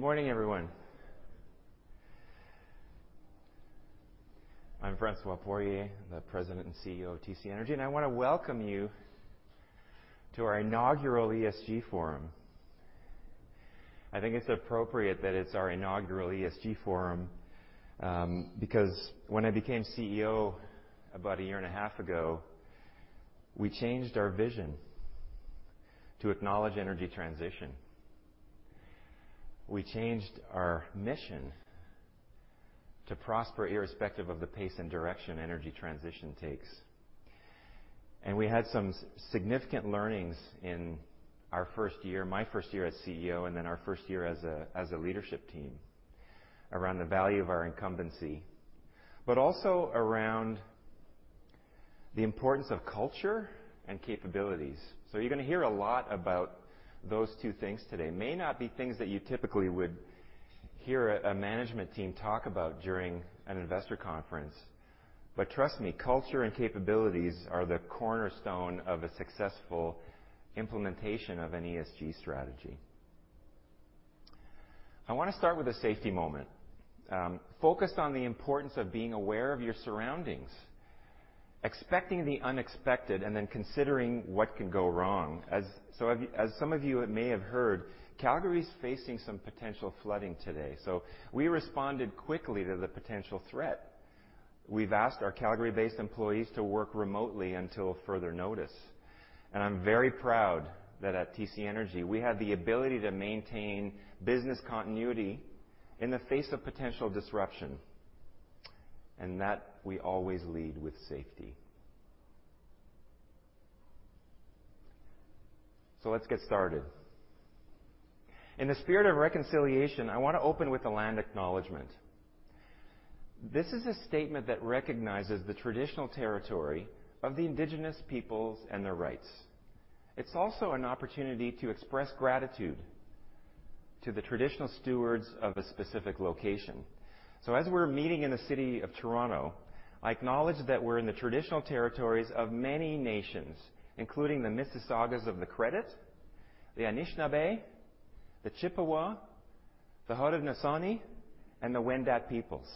Good morning, everyone. I'm François Poirier, the President and CEO of TC Energy, and I wanna welcome you to our inaugural ESG forum. I think it's appropriate that it's our inaugural ESG forum, because when I became CEO about a year and a half ago, we changed our vision to acknowledge energy transition. We changed our mission to prosper irrespective of the pace and direction energy transition takes. We had some significant learnings in our first year, my first year as CEO, and then our first year as a leadership team around the value of our incumbency, but also around the importance of culture and capabilities. You're gonna hear a lot about those two things today. May not be things that you typically would hear a management team talk about during an investor conference, but trust me, culture and capabilities are the cornerstone of a successful implementation of an ESG strategy. I wanna start with a safety moment, focused on the importance of being aware of your surroundings, expecting the unexpected, and then considering what can go wrong. Some of you may have heard, Calgary's facing some potential flooding today, so we responded quickly to the potential threat. We've asked our Calgary-based employees to work remotely until further notice, and I'm very proud that at TC Energy, we have the ability to maintain business continuity in the face of potential disruption, and that we always lead with safety. Let's get started. In the spirit of reconciliation, I wanna open with a land acknowledgement. This is a statement that recognizes the traditional territory of the Indigenous peoples and their rights. It's also an opportunity to express gratitude to the traditional stewards of a specific location. As we're meeting in the city of Toronto, I acknowledge that we're in the traditional territories of many nations, including the Mississaugas of the Credit, the Anishinaabe, the Chippewa, the Haudenosaunee, and the Wendat peoples.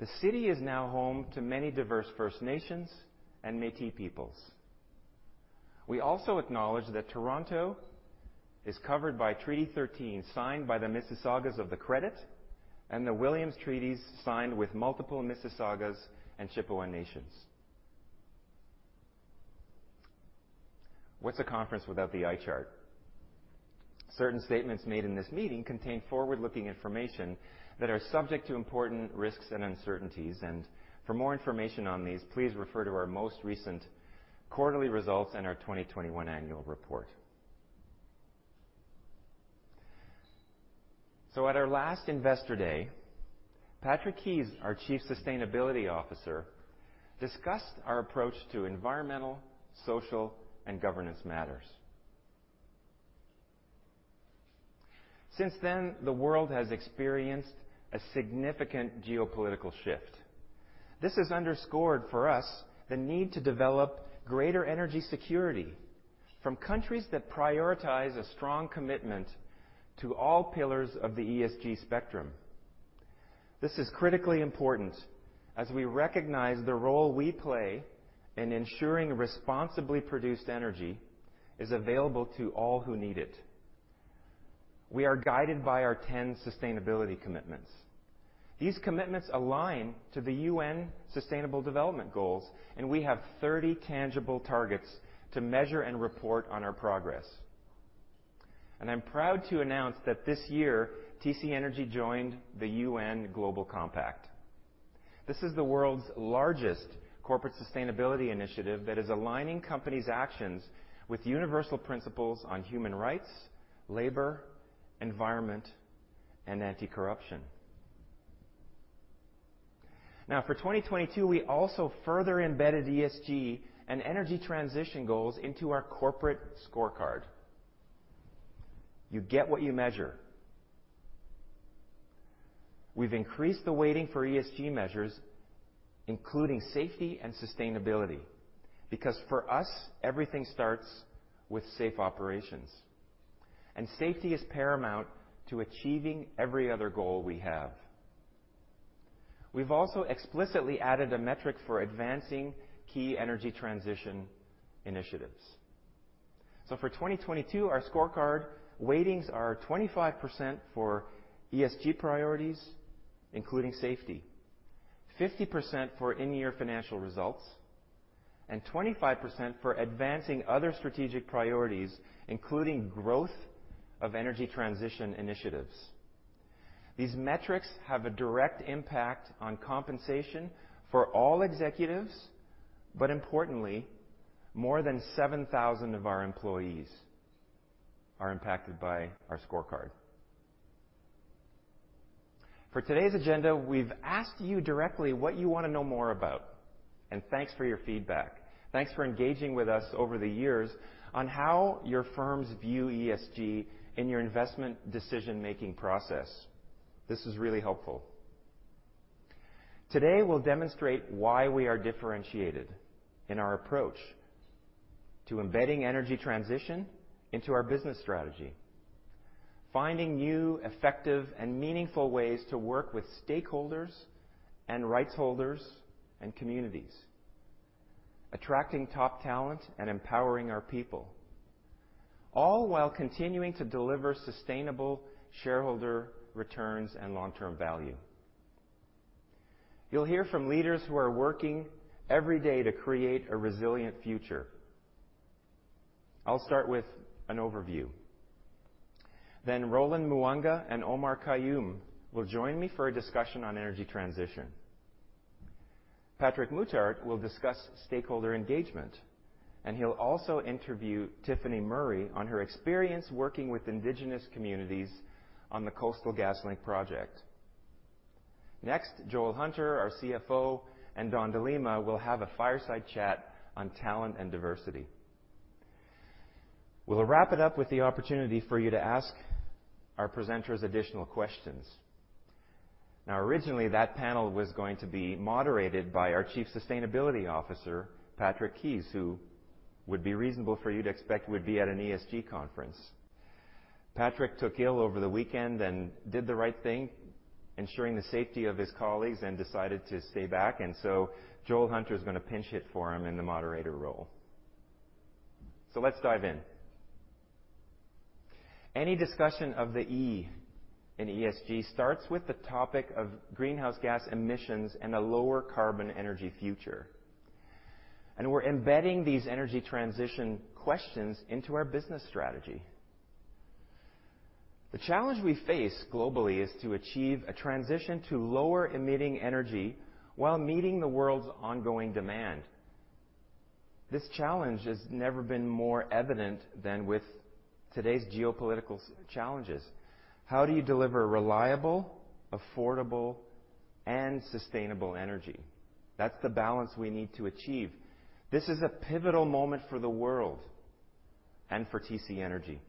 The city is now home to many diverse First Nations and Métis peoples. We also acknowledge that Toronto is covered by Treaty 13, signed by the Mississaugas of the Credit, and the Williams Treaties signed with multiple Mississaugas and Chippewa nations. What's a conference without the eye chart? Certain statements made in this meeting contain forward-looking information that are subject to important risks and uncertainties. For more information on these, please refer to our most recent quarterly results and our 2021 annual report. At our last Investor Day, Patrick Keys, our Chief Sustainability Officer, discussed our approach to environmental, social, and governance matters. Since then, the world has experienced a significant geopolitical shift. This has underscored for us the need to develop greater energy security from countries that prioritize a strong commitment to all pillars of the ESG spectrum. This is critically important as we recognize the role we play in ensuring responsibly produced energy is available to all who need it. We are guided by our 10 sustainability commitments. These commitments align to the UN Sustainable Development Goals, and we have 30 tangible targets to measure and report on our progress. I'm proud to announce that this year, TC Energy joined the UN Global Compact. This is the world's largest corporate sustainability initiative that is aligning companies' actions with universal principles on human rights, labor, environment, and anti-corruption. Now, for 2022, we also further embedded ESG and energy transition goals into our corporate scorecard. You get what you measure. We've increased the weighting for ESG measures, including safety and sustainability, because for us, everything starts with safe operations, and safety is paramount to achieving every other goal we have. We've also explicitly added a metric for advancing key energy transition initiatives. For 2022, our scorecard weightings are 25% for ESG priorities, including safety, 50% for in-year financial results, and 25% for advancing other strategic priorities, including growth of energy transition initiatives. These metrics have a direct impact on compensation for all executives, but importantly, more than 7,000 of our employees are impacted by our scorecard. For today's agenda, we've asked you directly what you wanna know more about, and thanks for your feedback. Thanks for engaging with us over the years on how your firms view ESG in your investment decision-making process. This is really helpful. Today, we'll demonstrate why we are differentiated in our approach to embedding energy transition into our business strategy, finding new, effective and meaningful ways to work with stakeholders and rights holders and communities, attracting top talent and empowering our people, all while continuing to deliver sustainable shareholder returns and long-term value. You'll hear from leaders who are working every day to create a resilient future. I'll start with an overview. Then Roland Muwanga and Omar Khayum will join me for a discussion on energy transition. Patrick Muttart will discuss stakeholder engagement, and he'll also interview Tiffany Murray on her experience working with Indigenous communities on the Coastal GasLink project. Next, Joel Hunter, our CFO, and Dawn de Lima will have a fireside chat on talent and diversity. We'll wrap it up with the opportunity for you to ask our presenters additional questions. Now, originally, that panel was going to be moderated by our Chief Sustainability Officer, Patrick Keys, who it would be reasonable for you to expect would be at an ESG conference. Patrick took ill over the weekend and did the right thing, ensuring the safety of his colleagues and decided to stay back, and so Joel Hunter is gonna pinch-hit for him in the moderator role. Let's dive in. Any discussion of the E in ESG starts with the topic of greenhouse gas emissions and a lower carbon energy future. We're embedding these energy transition questions into our business strategy. The challenge we face globally is to achieve a transition to lower emitting energy while meeting the world's ongoing demand. This challenge has never been more evident than with today's geopolitical challenges. How do you deliver reliable, affordable, and sustainable energy? That's the balance we need to achieve. This is a pivotal moment for the world and for TC Energy.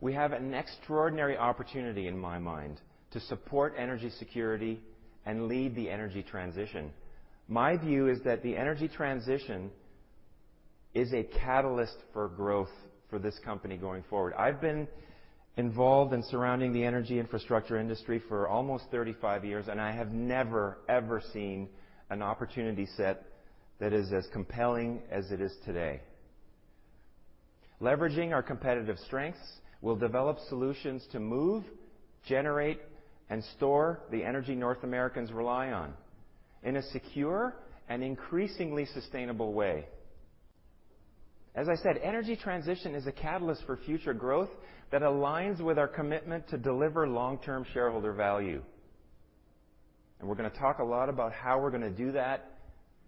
We have an extraordinary opportunity in my mind to support energy security and lead the energy transition. My view is that the energy transition is a catalyst for growth for this company going forward. I've been involved and surrounding the energy infrastructure industry for almost 35 years, and I have never, ever seen an opportunity set that is as compelling as it is today. Leveraging our competitive strengths, we'll develop solutions to move, generate, and store the energy North Americans rely on in a secure and increasingly sustainable way. As I said, energy transition is a catalyst for future growth that aligns with our commitment to deliver long-term shareholder value. We're gonna talk a lot about how we're gonna do that,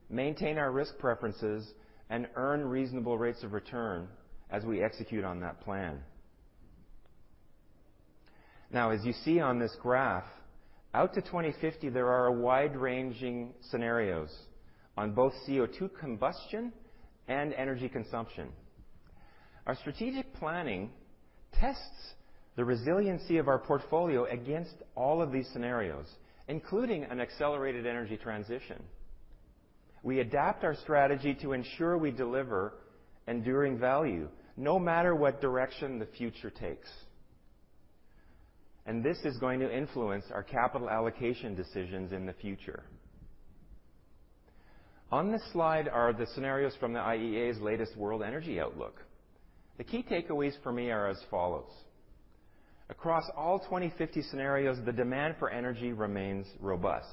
maintain our risk preferences, and earn reasonable rates of return as we execute on that plan. Now, as you see on this graph, out to 2050, there are a wide range of scenarios on both CO₂ combustion and energy consumption. Our strategic planning tests the resiliency of our portfolio against all of these scenarios, including an accelerated energy transition. We adapt our strategy to ensure we deliver enduring value, no matter what direction the future takes. This is going to influence our capital allocation decisions in the future. On this slide are the scenarios from the IEA's latest World Energy Outlook. The key takeaways for me are as follows: Across all 2050 scenarios, the demand for energy remains robust.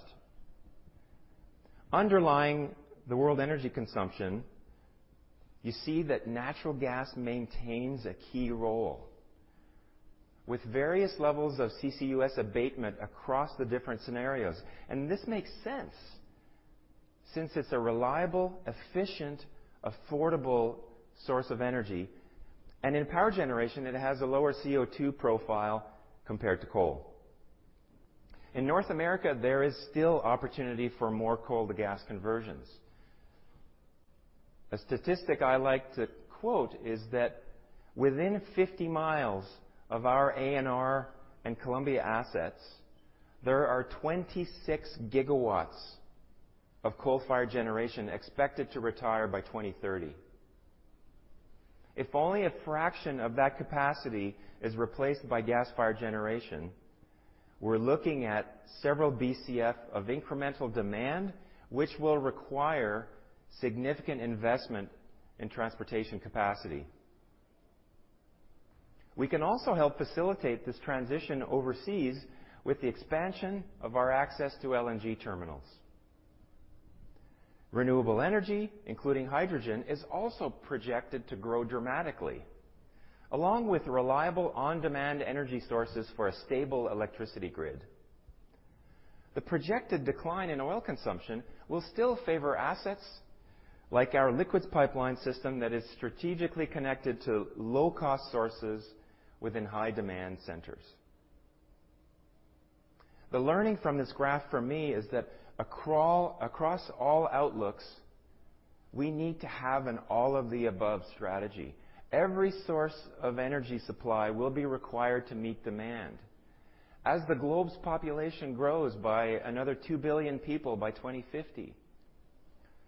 Underlying the world energy consumption, you see that natural gas maintains a key role with various levels of CCUS abatement across the different scenarios, and this makes sense since it's a reliable, efficient, affordable source of energy, and in power generation, it has a lower CO₂ profile compared to coal. In North America, there is still opportunity for more coal-to-gas conversions. A statistic I like to quote is that within 50 miles of our ANR and Columbia assets, there are 26 GW of coal-fired generation expected to retire by 2030. If only a fraction of that capacity is replaced by gas-fired generation, we're looking at several BCF of incremental demand, which will require significant investment in transportation capacity. We can also help facilitate this transition overseas with the expansion of our access to LNG terminals. Renewable energy, including hydrogen, is also projected to grow dramatically, along with reliable on-demand energy sources for a stable electricity grid. The projected decline in oil consumption will still favor assets like our liquids pipeline system that is strategically connected to low-cost sources within high demand centers. The learning from this graph for me is that across all outlooks we need to have an all of the above strategy. Every source of energy supply will be required to meet demand. As the globe's population grows by another 2 billion people by 2050,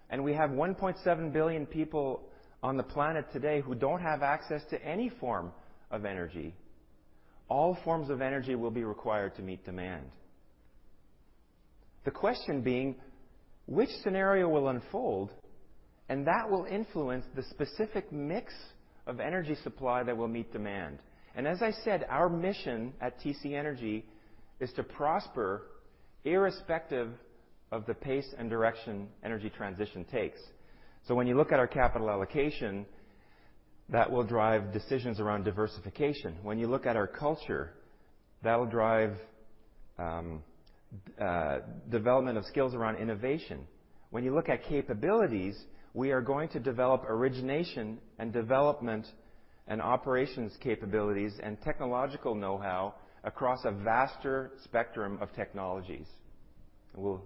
and we have 1.7 billion people on the planet today who don't have access to any form of energy, all forms of energy will be required to meet demand. The question being, which scenario will unfold? That will influence the specific mix of energy supply that will meet demand. As I said, our mission at TC Energy is to prosper irrespective of the pace and direction energy transition takes. When you look at our capital allocation, that will drive decisions around diversification. When you look at our culture, that will drive development of skills around innovation. When you look at capabilities, we are going to develop origination and development and operations capabilities and technological know-how across a vaster spectrum of technologies. We'll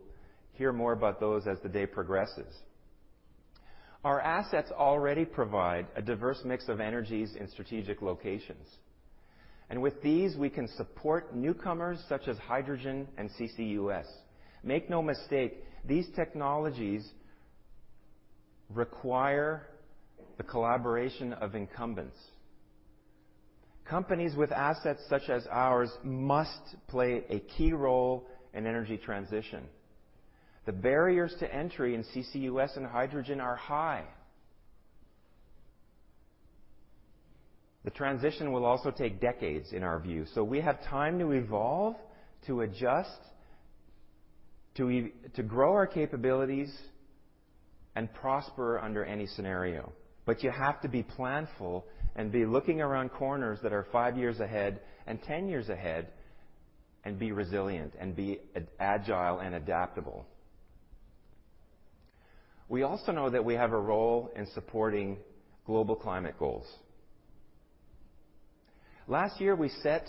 hear more about those as the day progresses. Our assets already provide a diverse mix of energies in strategic locations. With these, we can support newcomers such as hydrogen and CCUS. Make no mistake, these technologies require the collaboration of incumbents. Companies with assets such as ours must play a key role in energy transition. The barriers to entry in CCUS and hydrogen are high. The transition will also take decades in our view. We have time to evolve, to adjust, to grow our capabilities and prosper under any scenario. You have to be planful and be looking around corners that are five years ahead and 10 years ahead, and be resilient and be agile and adaptable. We also know that we have a role in supporting global climate goals. Last year, we set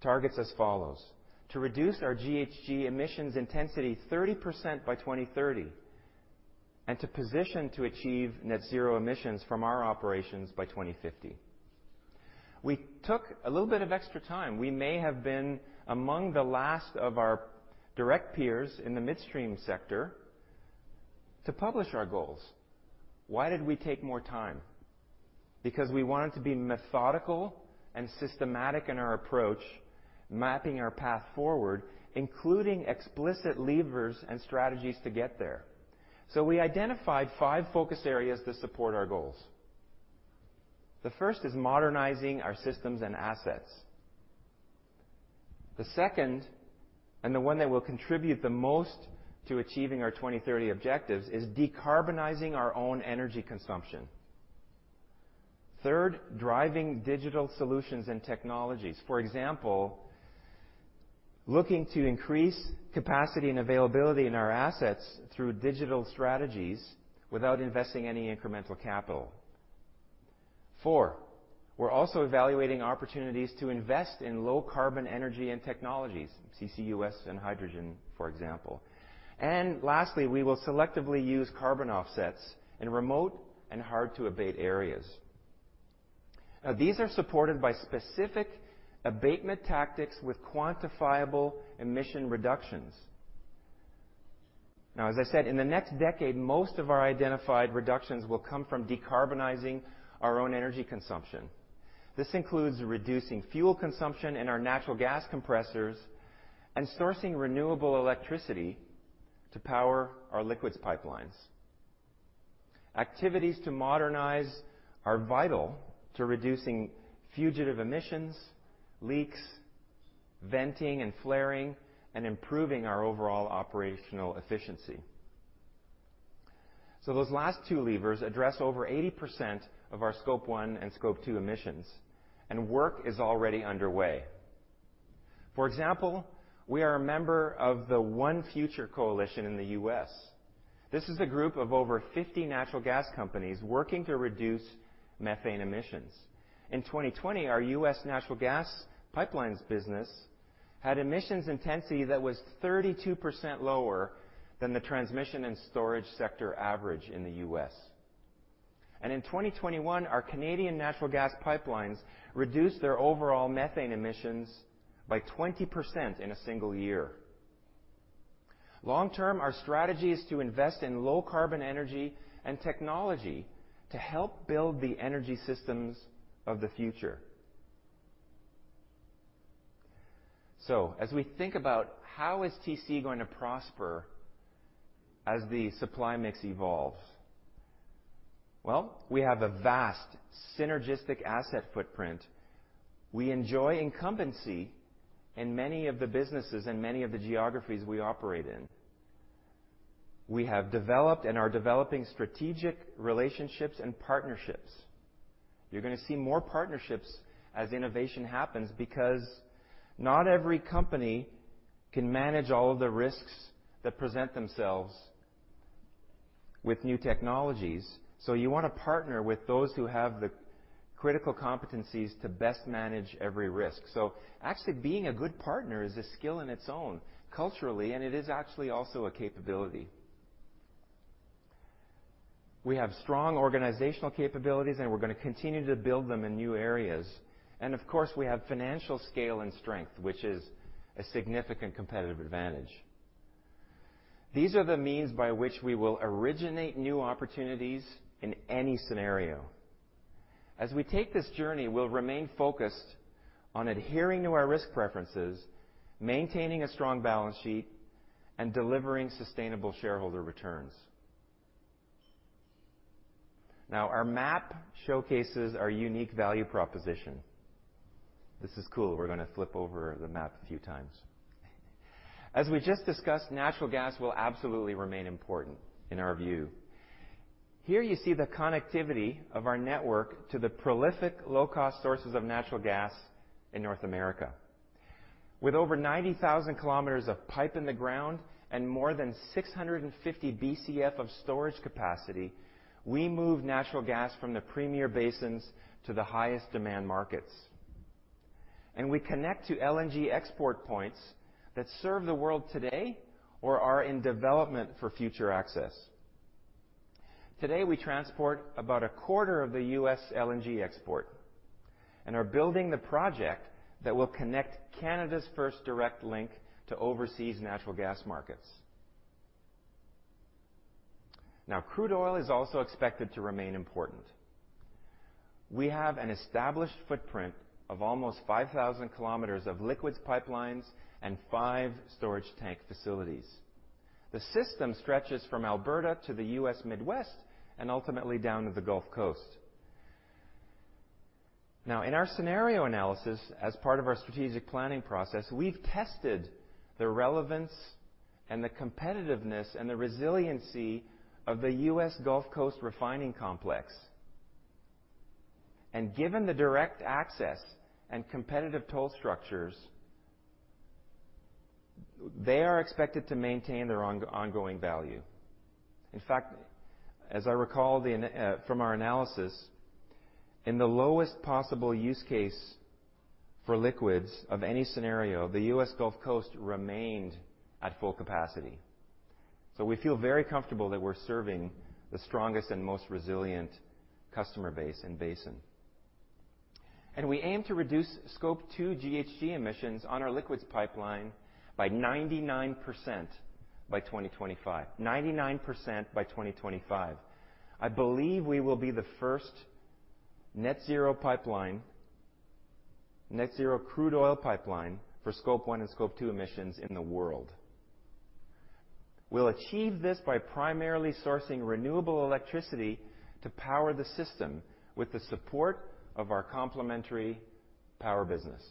targets as follows, to reduce our GHG emissions intensity 30% by 2030, and to position to achieve net zero emissions from our operations by 2050. We took a little bit of extra time. We may have been among the last of our direct peers in the midstream sector to publish our goals. Why did we take more time? Because we wanted to be methodical and systematic in our approach, mapping our path forward, including explicit levers and strategies to get there. We identified five focus areas to support our goals. The first is modernizing our systems and assets. The second, and the one that will contribute the most to achieving our 2030 objectives, is decarbonizing our own energy consumption. Third, driving digital solutions and technologies. For example, looking to increase capacity and availability in our assets through digital strategies without investing any incremental capital. Four, we're also evaluating opportunities to invest in low carbon energy and technologies, CCUS and hydrogen, for example. And lastly, we will selectively use carbon offsets in remote and hard to abate areas. These are supported by specific abatement tactics with quantifiable emission reductions. Now, as I said, in the next decade, most of our identified reductions will come from decarbonizing our own energy consumption. This includes reducing fuel consumption in our natural gas compressors and sourcing renewable electricity to power our liquids pipelines. Activities to modernize are vital to reducing fugitive emissions, leaks, venting and flaring, and improving our overall operational efficiency. Those last two levers address over 80% of our Scope 1 and Scope 2 emissions, and work is already underway. For example, we are a member of the ONE Future Coalition in the U.S. This is a group of over 50 natural gas companies working to reduce methane emissions. In 2020, our U.S. natural gas pipelines business had emissions intensity that was 32% lower than the transmission and storage sector average in the U.S. In 2021, our Canadian natural gas pipelines reduced their overall methane emissions by 20% in a single year. Long-term, our strategy is to invest in low carbon energy and technology to help build the energy systems of the future. As we think about how is TC going to prosper as the supply mix evolves, well, we have a vast synergistic asset footprint. We enjoy incumbency in many of the businesses and many of the geographies we operate in. We have developed and are developing strategic relationships and partnerships. You're gonna see more partnerships as innovation happens because not every company can manage all of the risks that present themselves with new technologies. You wanna partner with those who have the critical competencies to best manage every risk. Actually being a good partner is a skill in its own right culturally, and it is actually also a capability. We have strong organizational capabilities, and we're gonna continue to build them in new areas. Of course, we have financial scale and strength, which is a significant competitive advantage. These are the means by which we will originate new opportunities in any scenario. As we take this journey, we'll remain focused on adhering to our risk preferences, maintaining a strong balance sheet, and delivering sustainable shareholder returns. Now, our map showcases our unique value proposition. This is cool. We're gonna flip over the map a few times. As we just discussed, natural gas will absolutely remain important in our view. Here you see the connectivity of our network to the prolific low-cost sources of natural gas in North America. With over 90,000 kilometers of pipe in the ground and more than 650 BCF of storage capacity, we move natural gas from the premier basins to the highest demand markets. We connect to LNG export points that serve the world today or are in development for future access. Today, we transport about a quarter of the U.S. LNG export and are building the project that will connect Canada's first direct link to overseas natural gas markets. Now, crude oil is also expected to remain important. We have an established footprint of almost 5,000 kilometers of liquids pipelines and five storage tank facilities. The system stretches from Alberta to the U.S. Midwest and ultimately down to the Gulf Coast. Now, in our scenario analysis as part of our strategic planning process, we've tested the relevance and the competitiveness and the resiliency of the U.S. Gulf Coast refining complex. Given the direct access and competitive toll structures, they are expected to maintain their ongoing value. In fact, as I recall the from our analysis, in the lowest possible use case for liquids of any scenario, the U.S. Gulf Coast remained at full capacity. We feel very comfortable that we're serving the strongest and most resilient customer base and basin. We aim to reduce Scope 2 GHG emissions on our liquids pipeline by 99% by 2025. I believe we will be the first net zero pipeline, net zero crude oil pipeline for Scope 1 and Scope 2 emissions in the world. We'll achieve this by primarily sourcing renewable electricity to power the system with the support of our complementary power business.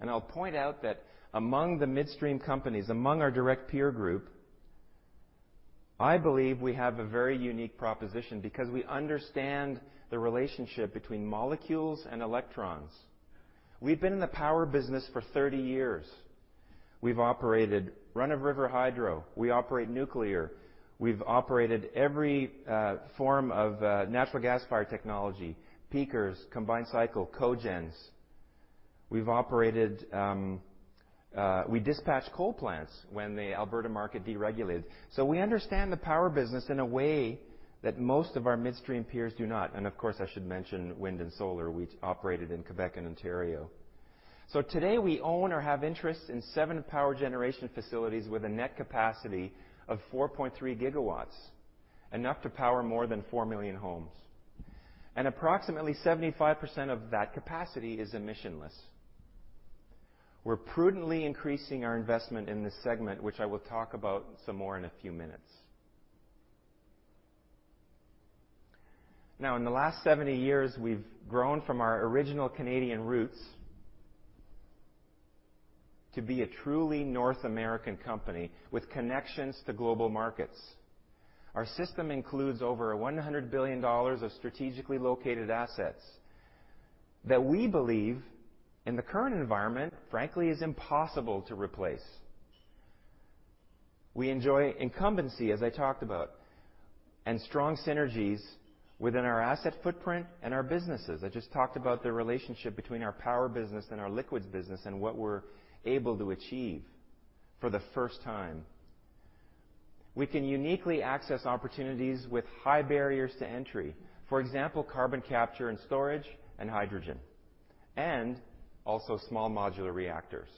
I'll point out that among the midstream companies, among our direct peer group, I believe we have a very unique proposition because we understand the relationship between molecules and electrons. We've been in the power business for 30 years. We've operated run-of-river hydro. We operate nuclear. We've operated every form of natural gas-fired technology, peakers, combined cycle, cogens. We dispatch coal plants when the Alberta market deregulated. We understand the power business in a way that most of our midstream peers do not. Of course, I should mention wind and solar, which operated in Quebec and Ontario. Today, we own or have interest in seven power generation facilities with a net capacity of 4.3 GW, enough to power more than 4 million homes. Approximately 75% of that capacity is emissionless. We're prudently increasing our investment in this segment, which I will talk about some more in a few minutes. Now, in the last 70 years, we've grown from our original Canadian roots to be a truly North American company with connections to global markets. Our system includes over 100 billion dollars of strategically located assets that we believe in the current environment, frankly, is impossible to replace. We enjoy incumbency, as I talked about, and strong synergies within our asset footprint and our businesses. I just talked about the relationship between our power business and our liquids business and what we're able to achieve for the first time. We can uniquely access opportunities with high barriers to entry. For example, carbon capture and storage and hydrogen, and also small modular reactors,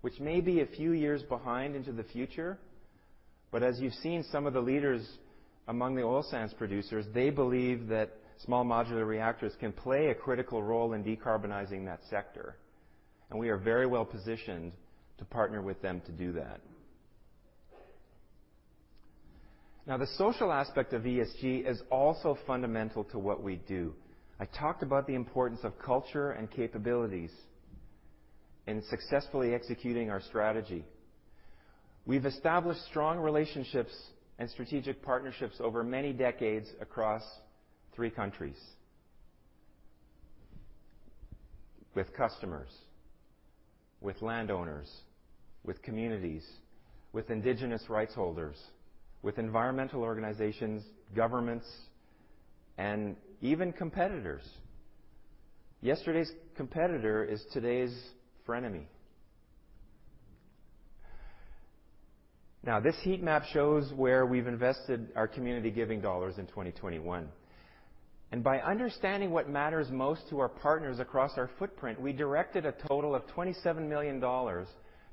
which may be a few years behind into the future, but as you've seen some of the leaders among the oil sands producers, they believe that small modular reactors can play a critical role in decarbonizing that sector, and we are very well-positioned to partner with them to do that. Now, the social aspect of ESG is also fundamental to what we do. I talked about the importance of culture and capabilities in successfully executing our strategy. We've established strong relationships and strategic partnerships over many decades across three countries. With customers, with landowners, with communities, with indigenous rights holders, with environmental organizations, governments, and even competitors. Yesterday's competitor is today's frenemy. Now, this heat map shows where we've invested our community giving dollars in 2021. By understanding what matters most to our partners across our footprint, we directed a total of 27 million dollars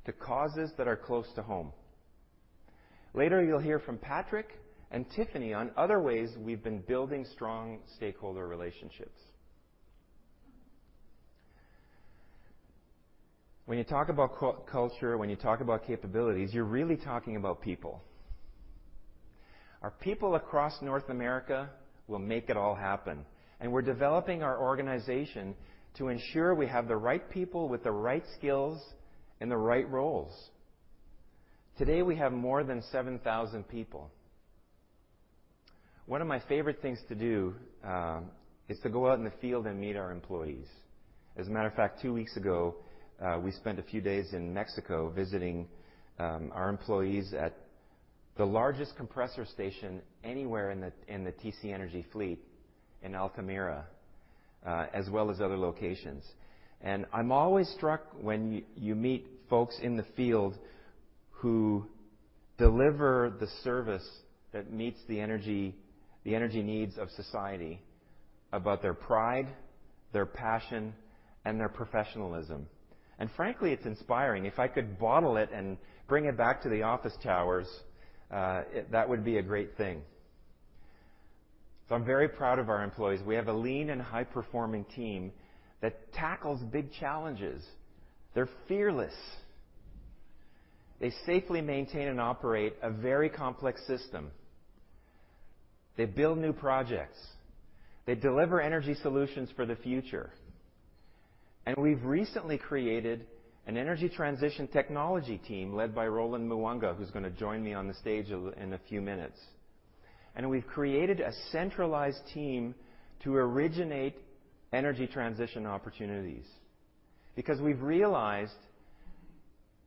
to causes that are close to home. Later, you'll hear from Patrick and Tiffany on other ways we've been building strong stakeholder relationships. When you talk about culture, when you talk about capabilities, you're really talking about people. Our people across North America will make it all happen, and we're developing our organization to ensure we have the right people with the right skills in the right roles. Today, we have more than 7,000 people. One of my favorite things to do is to go out in the field and meet our employees. As a matter of fact, two weeks ago, we spent a few days in Mexico visiting our employees at the largest compressor station anywhere in the TC Energy fleet in Altamira, as well as other locations. I'm always struck when you meet folks in the field who deliver the service that meets the energy needs of society, about their pride, their passion, and their professionalism. Frankly, it's inspiring. If I could bottle it and bring it back to the office towers, that would be a great thing. I'm very proud of our employees. We have a lean and high-performing team that tackles big challenges. They're fearless. They safely maintain and operate a very complex system. They build new projects. They deliver energy solutions for the future. We've recently created an energy transition technology team led by Roland Muwanga, who's gonna join me on the stage in a few minutes. We've created a centralized team to originate energy transition opportunities because we've realized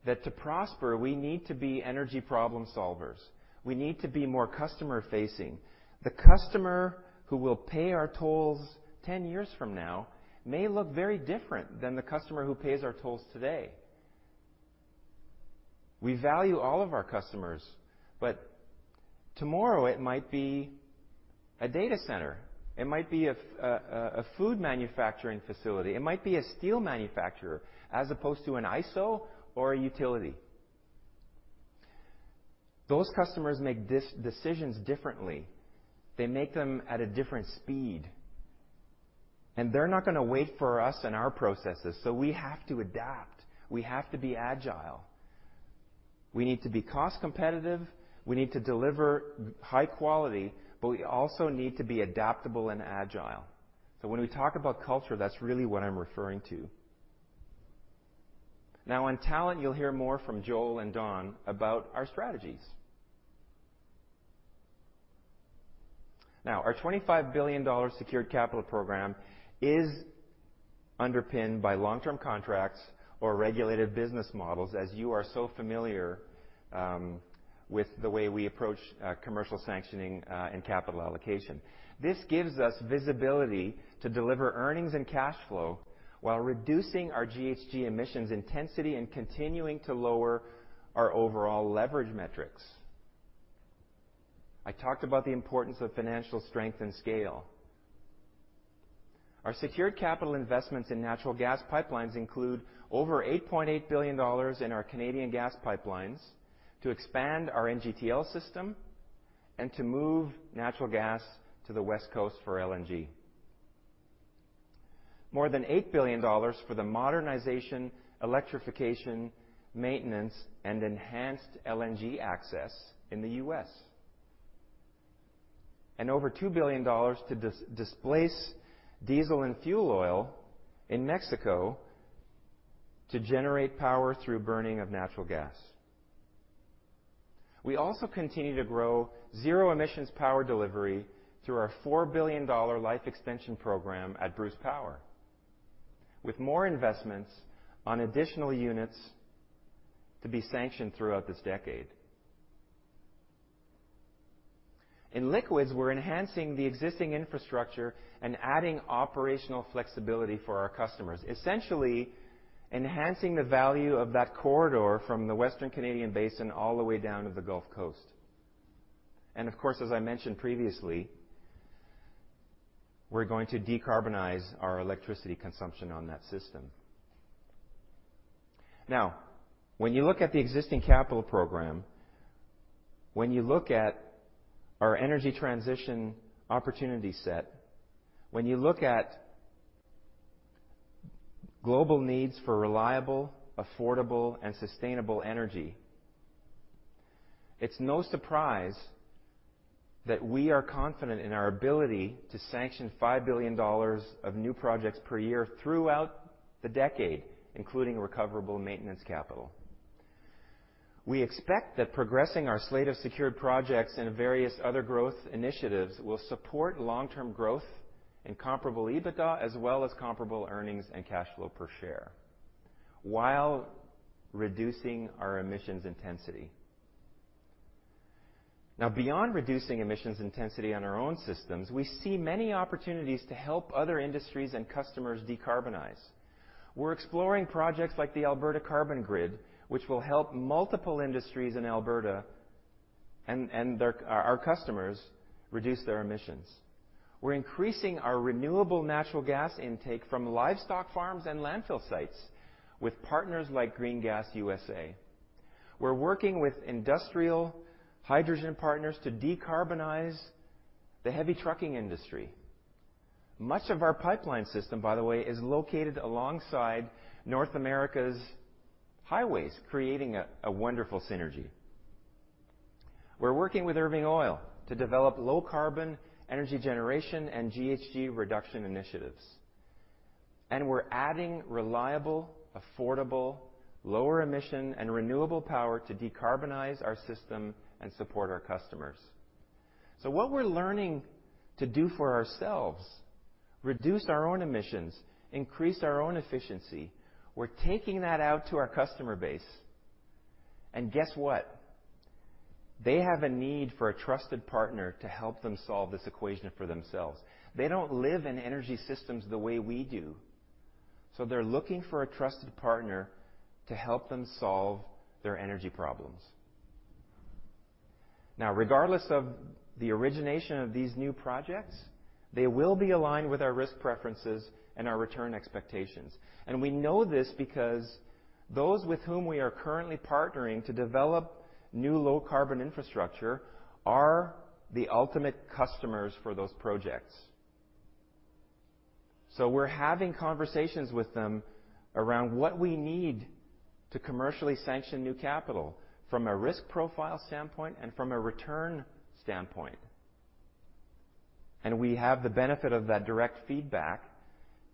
that to prosper, we need to be energy problem solvers. We need to be more customer-facing. The customer who will pay our tolls ten years from now may look very different than the customer who pays our tolls today. We value all of our customers, but tomorrow it might be a data center. It might be a food manufacturing facility. It might be a steel manufacturer as opposed to an ISO or a utility. Those customers make decisions differently. They make them at a different speed, and they're not gonna wait for us and our processes, so we have to adapt. We have to be agile. We need to be cost-competitive. We need to deliver high quality, but we also need to be adaptable and agile. When we talk about culture, that's really what I'm referring to. Now, on talent, you'll hear more from Joel and Dawn about our strategies. Now, our 25 billion dollars secured capital program is underpinned by long-term contracts or regulated business models, as you are so familiar with the way we approach commercial sanctioning and capital allocation. This gives us visibility to deliver earnings and cash flow while reducing our GHG emissions intensity and continuing to lower our overall leverage metrics. I talked about the importance of financial strength and scale. Our secured capital investments in natural gas pipelines include over 8.8 billion dollars in our Canadian gas pipelines to expand our NGTL system and to move natural gas to the West Coast for LNG. More than 8 billion dollars for the modernization, electrification, maintenance, and enhanced LNG access in the U.S. Over 2 billion dollars to displace diesel and fuel oil in Mexico to generate power through burning of natural gas. We also continue to grow zero emissions power delivery through our 4 billion dollar life extension program at Bruce Power, with more investments on additional units to be sanctioned throughout this decade. In liquids, we're enhancing the existing infrastructure and adding operational flexibility for our customers, essentially enhancing the value of that corridor from the Western Canadian Basin all the way down to the Gulf Coast. Of course, as I mentioned previously, we're going to decarbonize our electricity consumption on that system. Now, when you look at the existing capital program, when you look at our energy transition opportunity set, when you look at global needs for reliable, affordable, and sustainable energy, it's no surprise that we are confident in our ability to sanction 5 billion dollars of new projects per year throughout the decade, including recoverable maintenance capital. We expect that progressing our slate of secured projects and various other growth initiatives will support long-term growth in comparable EBITDA as well as comparable earnings and cash flow per share while reducing our emissions intensity. Now, beyond reducing emissions intensity on our own systems, we see many opportunities to help other industries and customers decarbonize. We're exploring projects like the Alberta Carbon Grid, which will help multiple industries in Alberta and our customers reduce their emissions. We're increasing our renewable natural gas intake from livestock farms and landfill sites with partners like GreenGasUSA. We're working with industrial hydrogen partners to decarbonize the heavy trucking industry. Much of our pipeline system, by the way, is located alongside North America's highways, creating a wonderful synergy. We're working with Irving Oil to develop low carbon energy generation and GHG reduction initiatives. We're adding reliable, affordable, lower emission and renewable power to decarbonize our system and support our customers. What we're learning to do for ourselves, reduce our own emissions, increase our own efficiency, we're taking that out to our customer base. Guess what? They have a need for a trusted partner to help them solve this equation for themselves. They don't live in energy systems the way we do, so they're looking for a trusted partner to help them solve their energy problems. Now, regardless of the origination of these new projects, they will be aligned with our risk preferences and our return expectations. We know this because those with whom we are currently partnering to develop new low carbon infrastructure are the ultimate customers for those projects. We're having conversations with them around what we need to commercially sanction new capital from a risk profile standpoint and from a return standpoint. We have the benefit of that direct feedback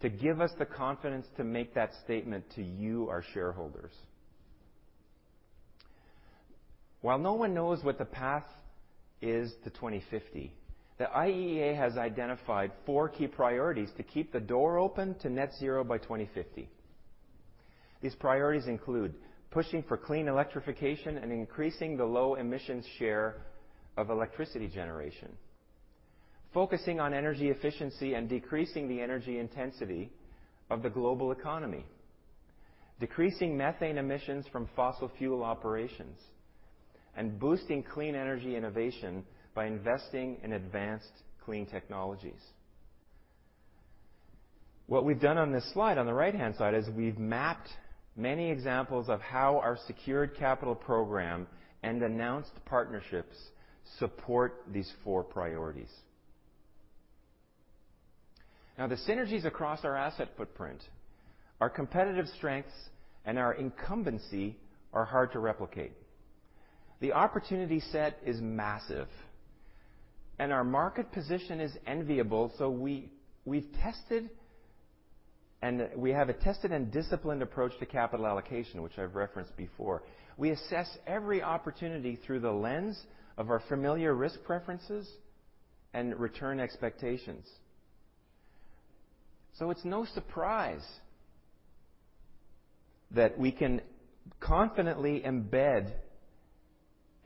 to give us the confidence to make that statement to you, our shareholders. While no one knows what the path is to 2050, the IEA has identified four key priorities to keep the door open to net zero by 2050. These priorities include pushing for clean electrification and increasing the low emissions share of electricity generation, focusing on energy efficiency and decreasing the energy intensity of the global economy, decreasing methane emissions from fossil fuel operations, and boosting clean energy innovation by investing in advanced clean technologies. What we've done on this slide, on the right-hand side, is we've mapped many examples of how our secured capital program and announced partnerships support these four priorities. Now, the synergies across our asset footprint, our competitive strengths, and our incumbency are hard to replicate. The opportunity set is massive, and our market position is enviable, so we have a tested and disciplined approach to capital allocation, which I've referenced before. We assess every opportunity through the lens of our familiar risk preferences and return expectations. It's no surprise that we can confidently embed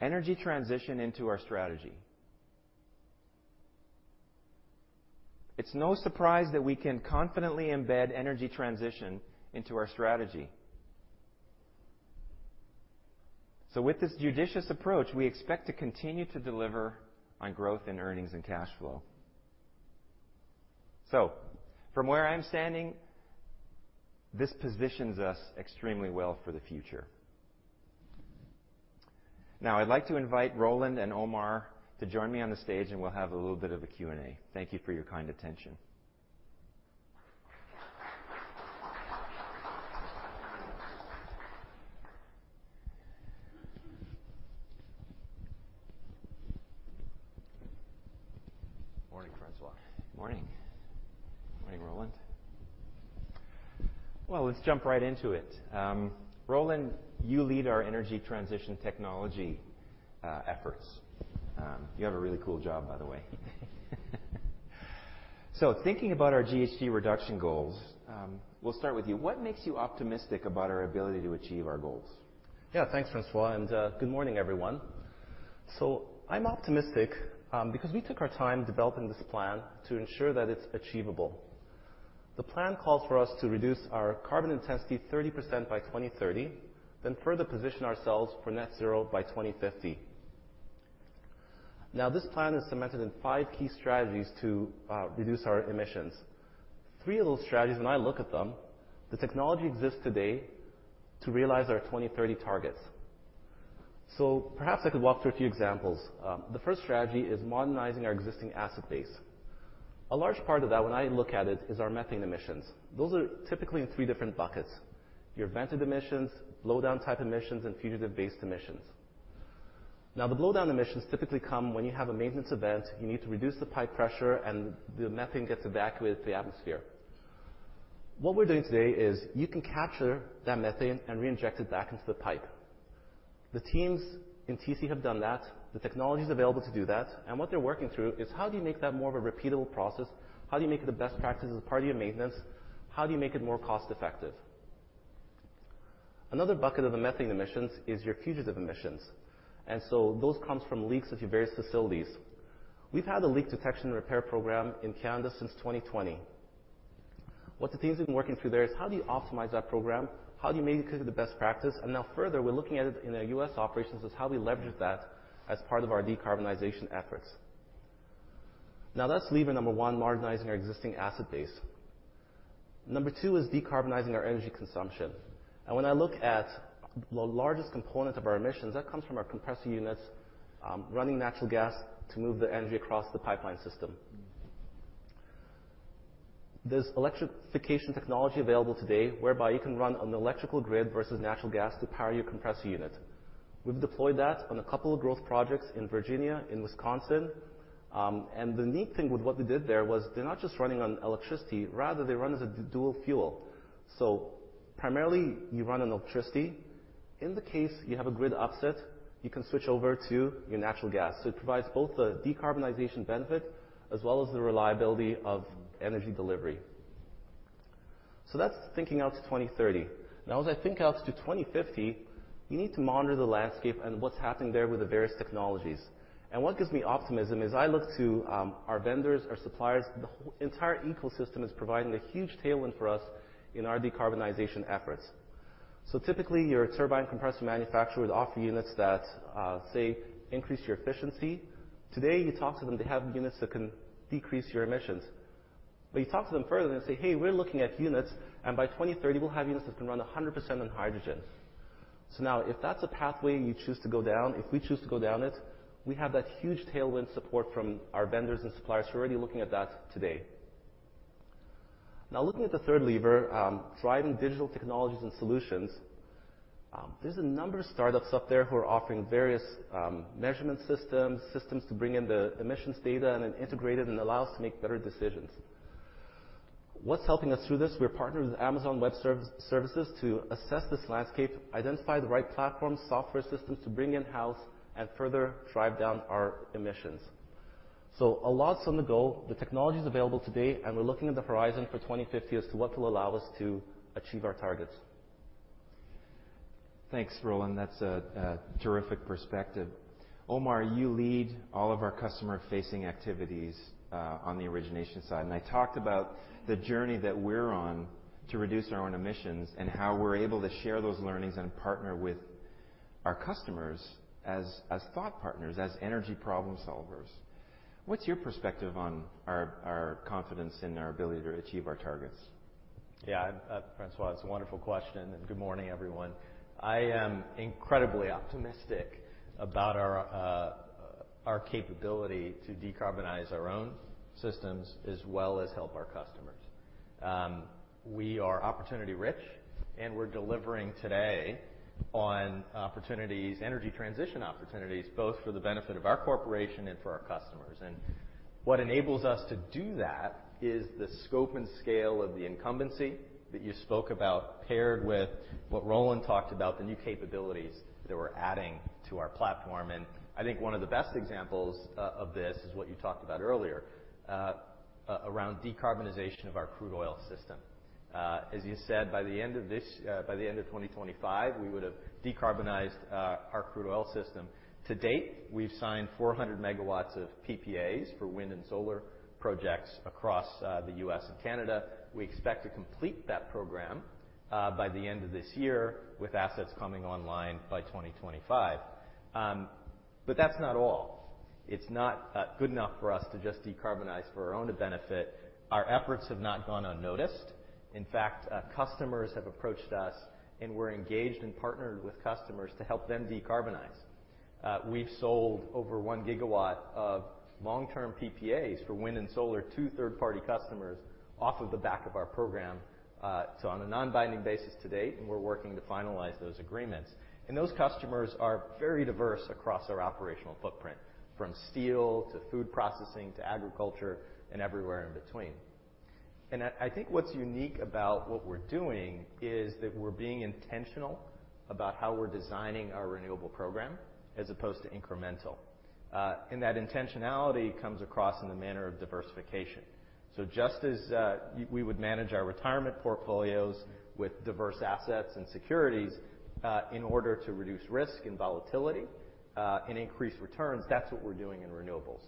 energy transition into our strategy. With this judicious approach, we expect to continue to deliver on growth in earnings and cash flow. From where I'm standing, this positions us extremely well for the future. Now, I'd like to invite Roland and Omar to join me on the stage, and we'll have a little bit of a Q&A. Thank you for your kind attention. Morning, François. Morning. Morning, Roland. Well, let's jump right into it. Roland, you lead our energy transition technology efforts. You have a really cool job, by the way. Thinking about our GHG reduction goals, we'll start with you. What makes you optimistic about our ability to achieve our goals? Yeah. Thanks, François, and good morning, everyone. I'm optimistic because we took our time developing this plan to ensure that it's achievable. The plan calls for us to reduce our carbon intensity 30% by 2030, then further position ourselves for net zero by 2050. Now, this plan is cemented in five key strategies to reduce our emissions. Three of those strategies, when I look at them, the technology exists today to realize our 2030 targets. Perhaps I could walk through a few examples. The first strategy is modernizing our existing asset base. A large part of that, when I look at it, is our methane emissions. Those are typically in three different buckets: your vented emissions, blowdown type emissions, and fugitive-based emissions. Now, the blowdown emissions typically come when you have a maintenance event. You need to reduce the pipe pressure and the methane gets evacuated to the atmosphere. What we're doing today is you can capture that methane and reinject it back into the pipe. The teams in TC have done that. The technology is available to do that. What they're working through is how do you make that more of a repeatable process? How do you make it the best practice as part of your maintenance? How do you make it more cost effective? Another bucket of the methane emissions is your fugitive emissions. Those come from leaks at your various facilities. We've had a leak detection repair program in Canada since 2020. What the teams have been working through there is how do you optimize that program, how do you make it the best practice? Now further, we're looking at it in our U.S. operations is how do we leverage that as part of our decarbonization efforts. Now, that's lever number one, modernizing our existing asset base. Number two is decarbonizing our energy consumption. When I look at the largest component of our emissions, that comes from our compressor units, running natural gas to move the energy across the pipeline system. There's electrification technology available today whereby you can run on electrical grid versus natural gas to power your compressor unit. We've deployed that on a couple of growth projects in Virginia, in Wisconsin. The neat thing with what we did there was they're not just running on electricity. Rather, they run as a dual fuel. Primarily, you run on electricity. In the case you have a grid upset, you can switch over to your natural gas. It provides both the decarbonization benefit as well as the reliability of energy delivery. That's thinking out to 2030. Now, as I think out to 2050, you need to monitor the landscape and what's happening there with the various technologies. What gives me optimism is I look to our vendors, our suppliers. The entire ecosystem is providing a huge tailwind for us in our decarbonization efforts. Typically, your turbine compressor manufacturer would offer units that say increase your efficiency. Today, you talk to them, they have units that can decrease your emissions. You talk to them further and say, "Hey, we're looking at units, and by 2030, we'll have units that can run 100% on hydrogen." Now if that's a pathway you choose to go down, if we choose to go down it, we have that huge tailwind support from our vendors and suppliers who are already looking at that today. Now looking at the third lever, driving digital technologies and solutions, there's a number of startups out there who are offering various, measurement systems to bring in the emissions data and then integrate it and allow us to make better decisions. What's helping us through this, we're partnered with Amazon Web Services to assess this landscape, identify the right platform, software systems to bring in-house and further drive down our emissions. A lot's on the go. The technology's available today, and we're looking at the horizon for 2050 as to what will allow us to achieve our targets. Thanks, Roland. That's a terrific perspective. Omar, you lead all of our customer-facing activities on the origination side. I talked about the journey that we're on to reduce our own emissions and how we're able to share those learnings and partner with our customers as thought partners, as energy problem solvers. What's your perspective on our confidence in our ability to achieve our targets? Yeah. François, it's a wonderful question. Good morning, everyone. I am incredibly optimistic about our capability to decarbonize our own systems as well as help our customers. We are opportunity rich, and we're delivering today on opportunities, energy transition opportunities, both for the benefit of our corporation and for our customers. What enables us to do that is the scope and scale of the incumbency that you spoke about, paired with what Roland talked about, the new capabilities that we're adding to our platform. I think one of the best examples of this is what you talked about earlier, around decarbonization of our crude oil system. As you said, by the end of 2025, we would have decarbonized our crude oil system. To date, we've signed 400 MW of PPAs for wind and solar projects across the U.S. and Canada. We expect to complete that program by the end of this year with assets coming online by 2025. That's not all. It's not good enough for us to just decarbonize for our own benefit. Our efforts have not gone unnoticed. In fact, customers have approached us, and we're engaged and partnered with customers to help them decarbonize. We've sold over 1 GW of long-term PPAs for wind and solar to third-party customers off of the back of our program, so on a non-binding basis to date, and we're working to finalize those agreements. Those customers are very diverse across our operational footprint, from steel, to food processing, to agriculture, and everywhere in between. I think what's unique about what we're doing is that we're being intentional about how we're designing our renewable program as opposed to incremental. That intentionality comes across in the manner of diversification. Just as we would manage our retirement portfolios with diverse assets and securities in order to reduce risk and volatility and increase returns, that's what we're doing in renewables.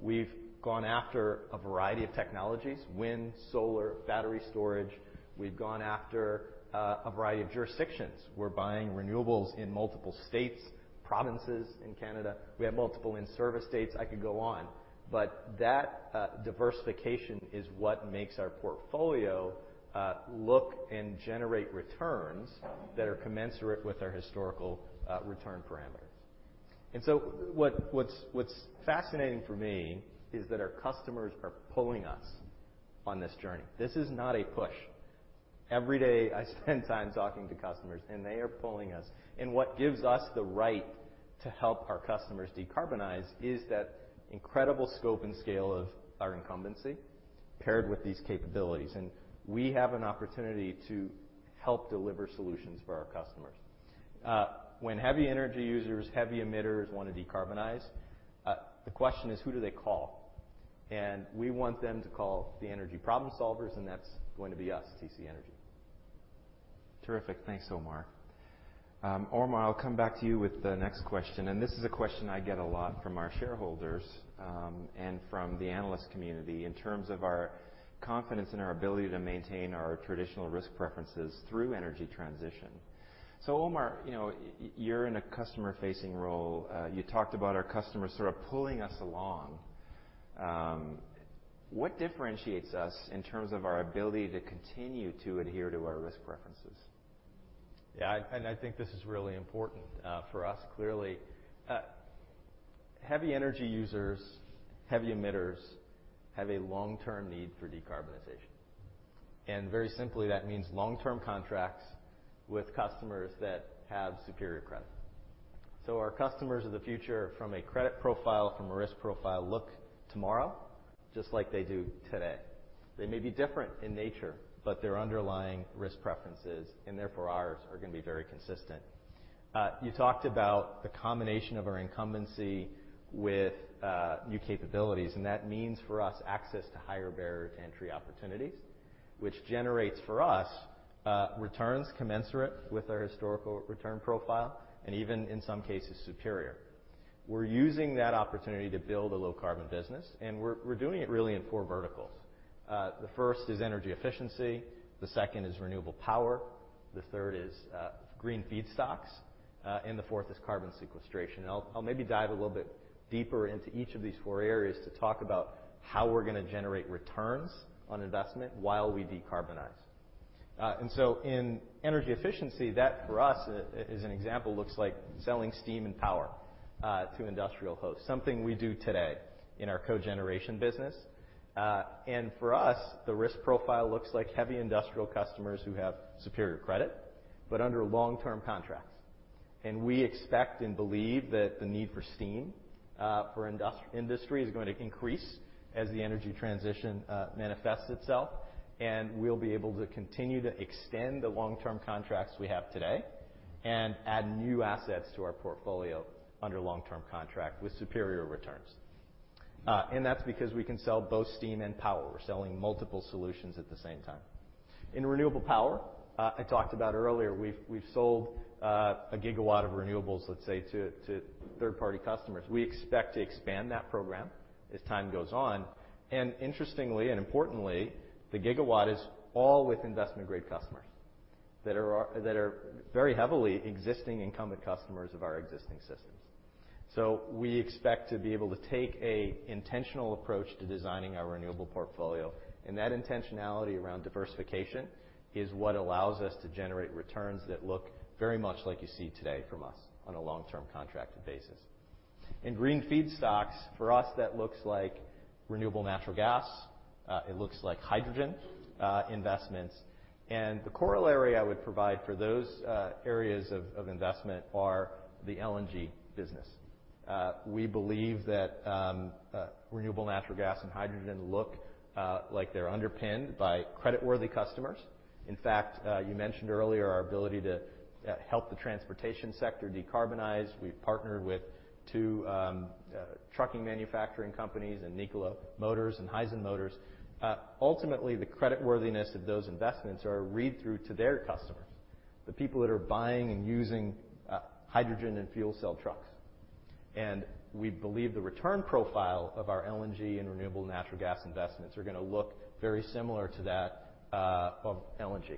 We've gone after a variety of technologies, wind, solar, battery storage. We've gone after a variety of jurisdictions. We're buying renewables in multiple states, provinces in Canada. We have multiple in service states. I could go on. That diversification is what makes our portfolio look and generate returns that are commensurate with our historical return parameters. What's fascinating for me is that our customers are pulling us on this journey. This is not a push. Every day I spend time talking to customers, and they are pulling us. What gives us the right to help our customers decarbonize is that incredible scope and scale of our incumbency paired with these capabilities. We have an opportunity to help deliver solutions for our customers. When heavy energy users, heavy emitters wanna decarbonize, the question is, who do they call? We want them to call the energy problem solvers, and that's going to be us, TC Energy. Terrific. Thanks, Omar. Omar, I'll come back to you with the next question, and this is a question I get a lot from our shareholders, and from the analyst community in terms of our confidence in our ability to maintain our traditional risk preferences through energy transition. Omar, you know, you're in a customer-facing role. You talked about our customers sort of pulling us along. What differentiates us in terms of our ability to continue to adhere to our risk preferences? Yeah. I think this is really important for us, clearly. Heavy energy users, heavy emitters have a long-term need for decarbonization. Very simply, that means long-term contracts with customers that have superior credit. Our customers of the future from a credit profile, from a risk profile look tomorrow just like they do today. They may be different in nature, but their underlying risk preferences, and therefore ours, are gonna be very consistent. You talked about the combination of our incumbency with new capabilities, and that means for us access to higher barrier to entry opportunities, which generates for us returns commensurate with our historical return profile, and even in some cases, superior. We're using that opportunity to build a low carbon business, and we're doing it really in four verticals. The first is energy efficiency. The second is renewable power. The third is green feedstocks. The fourth is carbon sequestration. I'll maybe dive a little bit deeper into each of these four areas to talk about how we're gonna generate returns on investment while we decarbonize. In energy efficiency, that for us, as an example, looks like selling steam and power to industrial hosts, something we do today in our cogeneration business. For us, the risk profile looks like heavy industrial customers who have superior credit, but under long-term contracts. We expect and believe that the need for steam for industry is going to increase as the energy transition manifests itself, and we'll be able to continue to extend the long-term contracts we have today and add new assets to our portfolio under long-term contract with superior returns. That's because we can sell both steam and power. We're selling multiple solutions at the same time. In renewable power, I talked about earlier, we've sold a gigawatt of renewables, let's say, to third-party customers. We expect to expand that program as time goes on. Interestingly, and importantly, the gigawatt is all with investment-grade customers that are very heavily existing incumbent customers of our existing systems. We expect to be able to take an intentional approach to designing our renewable portfolio, and that intentionality around diversification is what allows us to generate returns that look very much like you see today from us on a long-term contracted basis. In green feedstocks, for us, that looks like renewable natural gas. It looks like hydrogen investments. The corollary I would provide for those areas of investment are the LNG business. We believe that renewable natural gas and hydrogen look like they're underpinned by creditworthy customers. In fact, you mentioned earlier our ability to help the transportation sector decarbonize. We've partnered with two trucking manufacturing companies in Nikola Motors and Hyzon Motors. Ultimately, the creditworthiness of those investments are read through to their customers, the people that are buying and using hydrogen and fuel cell trucks. We believe the return profile of our LNG and renewable natural gas investments are gonna look very similar to that of LNG.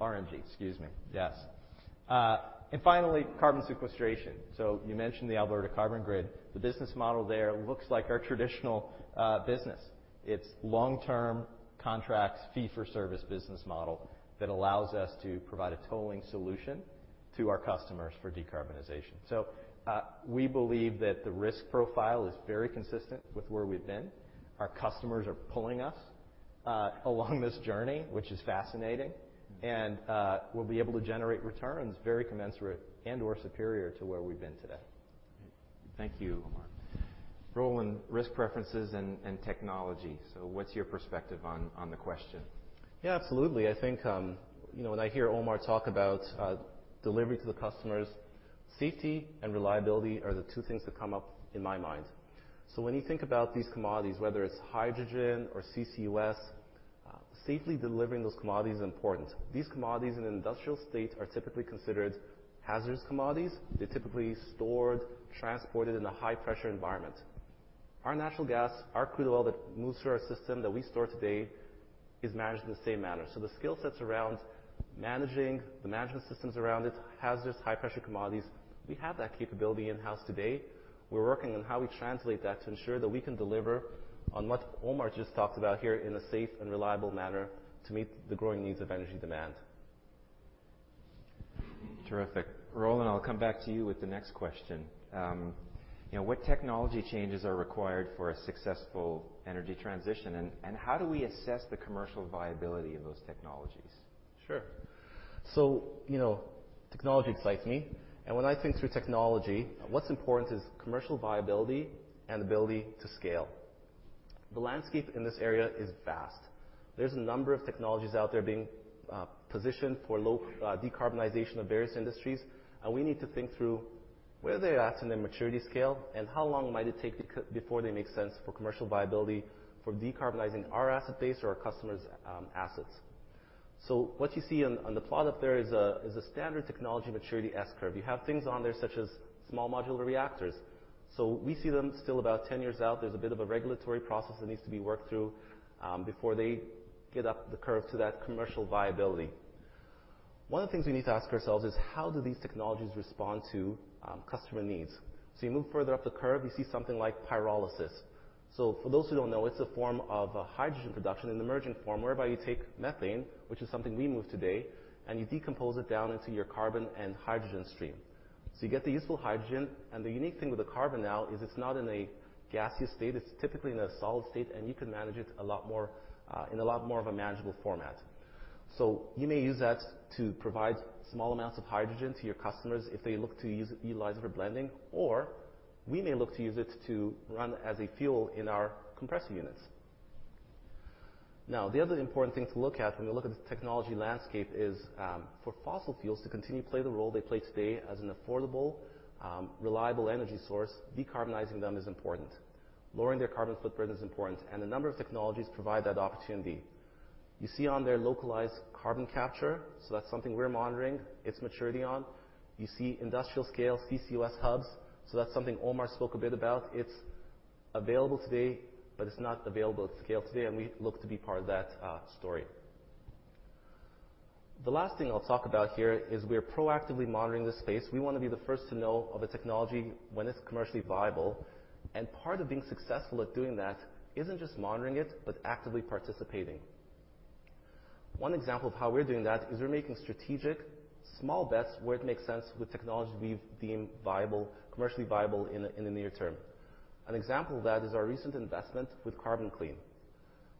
RNG. Excuse me. Yes. And finally, carbon sequestration. You mentioned the Alberta Carbon Grid. The business model there looks like our traditional business. It's long-term contracts, fee-for-service business model that allows us to provide a tolling solution to our customers for decarbonization. We believe that the risk profile is very consistent with where we've been. Our customers are pulling us along this journey, which is fascinating. We'll be able to generate returns very commensurate and/or superior to where we've been today. Thank you, Omar. Roland, risk preferences and technology. What's your perspective on the question? Yeah, absolutely. I think, you know, when I hear Omar talk about delivery to the customers, safety and reliability are the two things that come up in my mind. When you think about these commodities, whether it's hydrogen or CCUS, safely delivering those commodities is important. These commodities in an industrial state are typically considered hazardous commodities. They're typically stored, transported in a high-pressure environment. Our natural gas, our crude oil that moves through our system that we store today is managed in the same manner. The skill sets around managing the management systems around it, hazardous high-pressure commodities, we have that capability in-house today. We're working on how we translate that to ensure that we can deliver on what Omar just talked about here in a safe and reliable manner to meet the growing needs of energy demand. Terrific. Roland, I'll come back to you with the next question. You know, what technology changes are required for a successful energy transition and how do we assess the commercial viability of those technologies? Sure. You know, technology excites me, and when I think through technology, what's important is commercial viability and ability to scale. The landscape in this area is vast. There's a number of technologies out there being positioned for low decarbonization of various industries. We need to think through where they're at in their maturity scale and how long might it take before they make sense for commercial viability for decarbonizing our asset base or our customers' assets. What you see on the plot up there is a standard technology maturity S curve. You have things on there such as small modular reactors. We see them still about 10 years out. There's a bit of a regulatory process that needs to be worked through before they get up the curve to that commercial viability. One of the things we need to ask ourselves is how do these technologies respond to, customer needs? You move further up the curve, you see something like pyrolysis. For those who don't know, it's a form of a hydrogen production, an emerging form, whereby you take methane, which is something we move today, and you decompose it down into your carbon and hydrogen stream. You get the useful hydrogen. The unique thing with the carbon now is it's not in a gaseous state. It's typically in a solid state, and you can manage it a lot more, in a lot more of a manageable format. You may use that to provide small amounts of hydrogen to your customers if they look to use it, utilize it for blending, or we may look to use it to run as a fuel in our compressor units. Now, the other important thing to look at when we look at the technology landscape is, for fossil fuels to continue to play the role they play today as an affordable, reliable energy source, decarbonizing them is important. Lowering their carbon footprint is important, and a number of technologies provide that opportunity. You see on there localized carbon capture, so that's something we're monitoring its maturity on. You see industrial-scale CCUS hubs, so that's something Omar spoke a bit about. It's available today, but it's not available at scale today, and we look to be part of that story. The last thing I'll talk about here is we're proactively monitoring this space. We wanna be the first to know of a technology when it's commercially viable, and part of being successful at doing that isn't just monitoring it, but actively participating. One example of how we're doing that is we're making strategic small bets where it makes sense with technology we've deemed viable, commercially viable in the near term. An example of that is our recent investment with Carbon Clean.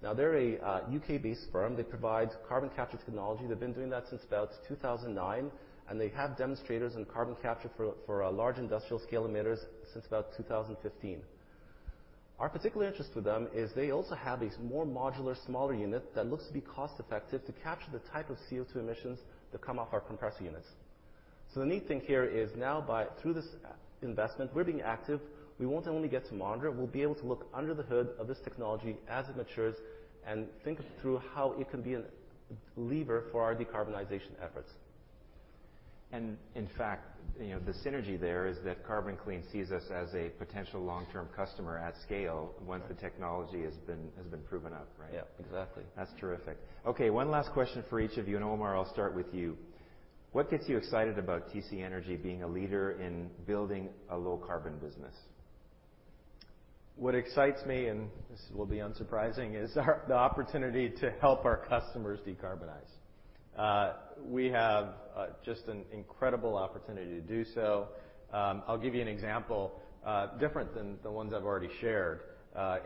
Now they're a U.K.-based firm. They provide carbon capture technology. They've been doing that since about 2009, and they have demonstrators in carbon capture for large industrial scale emitters since about 2015. Our particular interest with them is they also have these more modular, smaller unit that looks to be cost-effective to capture the type of CO₂ emissions that come off our compressor units. The neat thing here is now through this investment, we're being active. We won't only get to monitor, we'll be able to look under the hood of this technology as it matures and think through how it can be a lever for our decarbonization efforts. In fact, you know, the synergy there is that Carbon Clean sees us as a potential long-term customer at scale once the technology has been proven out, right? Yeah. Exactly. That's terrific. Okay, one last question for each of you. Omar, I'll start with you. What gets you excited about TC Energy being a leader in building a low-carbon business? What excites me, and this will be unsurprising, is our opportunity to help our customers decarbonize. We have just an incredible opportunity to do so. I'll give you an example different than the ones I've already shared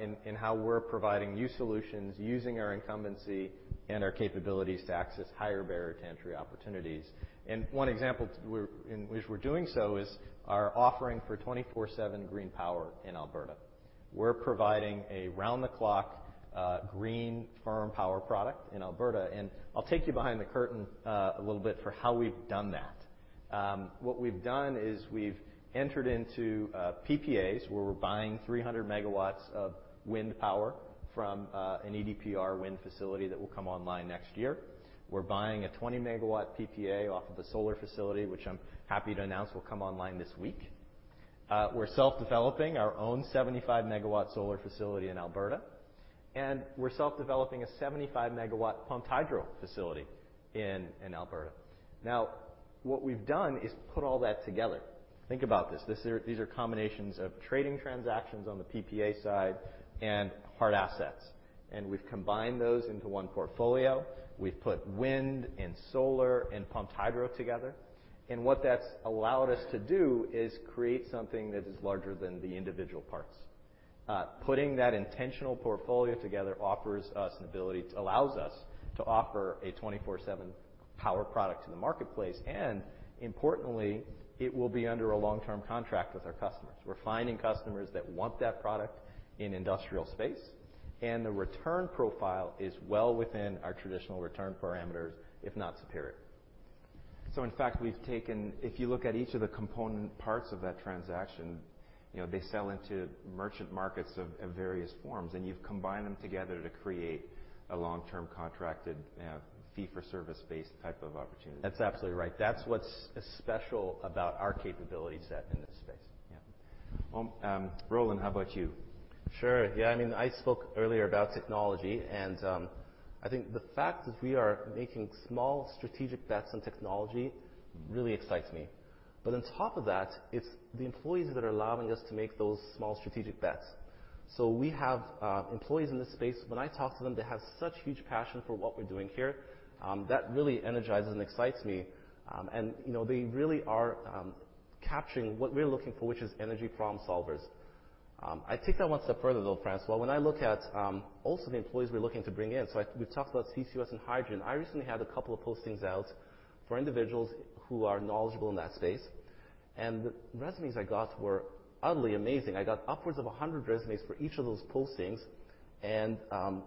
in how we're providing new solutions using our incumbency and our capabilities to access higher barrier to entry opportunities. One example in which we're doing so is our offering for 24/7 green power in Alberta. We're providing a round-the-clock green firm power product in Alberta, and I'll take you behind the curtain a little bit for how we've done that. What we've done is we've entered into PPAs, where we're buying 300 MW of wind power from an EDPR wind facility that will come online next year. We're buying a 20-MW PPA off of a solar facility, which I'm happy to announce will come online this week. We're self-developing our own 75-MW solar facility in Alberta, and we're self-developing a 75-MW pumped hydro facility in Alberta. Now, what we've done is put all that together. Think about this. These are combinations of trading transactions on the PPA side and hard assets. We've combined those into one portfolio. We've put wind and solar and pumped hydro together, and what that's allowed us to do is create something that is larger than the individual parts. Putting that intentional portfolio together allows us to offer a 24/7 power product to the marketplace. Importantly, it will be under a long-term contract with our customers. We're finding customers that want that product in industrial space, and the return profile is well within our traditional return parameters, if not superior. In fact, we've taken. If you look at each of the component parts of that transaction, you know, they sell into merchant markets of various forms, and you've combined them together to create a long-term contracted, fee-for-service based type of opportunity. That's absolutely right. That's what's special about our capability set in this space. Yeah. Roland, how about you? Sure. Yeah. I mean, I spoke earlier about technology, and I think the fact that we are making small strategic bets on technology really excites me. On top of that, it's the employees that are allowing us to make those small strategic bets. We have employees in this space; when I talk to them, they have such huge passion for what we're doing here. That really energizes and excites me. You know, they really are capturing what we're looking for, which is energy problem solvers. I take that one step further, though, François. When I look at also the employees we're looking to bring in. We've talked about CCS and hydrogen. I recently had a couple of postings out for individuals who are knowledgeable in that space, and the resumes I got were utterly amazing. I got upwards of 100 resumes for each of those postings.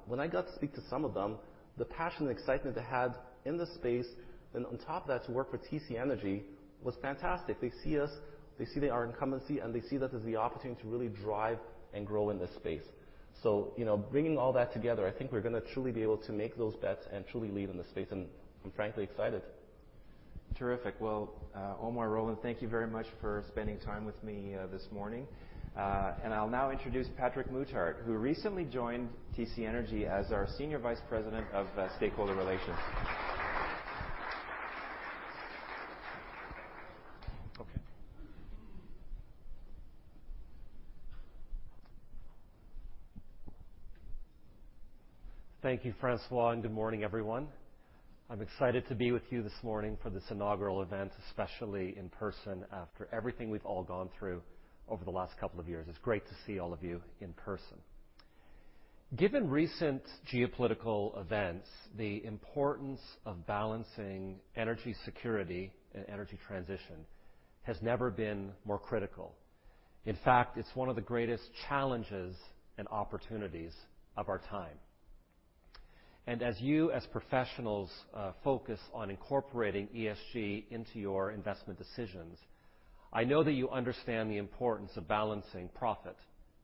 When I got to speak to some of them, the passion and excitement they had in the space, and on top of that, to work for TC Energy was fantastic. They see us, they see their incumbency, and they see this as the opportunity to really drive and grow in this space. You know, bringing all that together, I think we're gonna truly be able to make those bets and truly lead in this space, and I'm frankly excited. Terrific. Well, Omar, Roland, thank you very much for spending time with me, this morning. I'll now introduce Patrick Muttart, who recently joined TC Energy as our Senior Vice President of Stakeholder Relations. Okay. Thank you, François, and good morning, everyone. I'm excited to be with you this morning for this inaugural event, especially in person, after everything we've all gone through over the last couple of years. It's great to see all of you in person. Given recent geopolitical events, the importance of balancing energy security and energy transition has never been more critical. In fact, it's one of the greatest challenges and opportunities of our time. As you, as professionals, focus on incorporating ESG into your investment decisions, I know that you understand the importance of balancing profit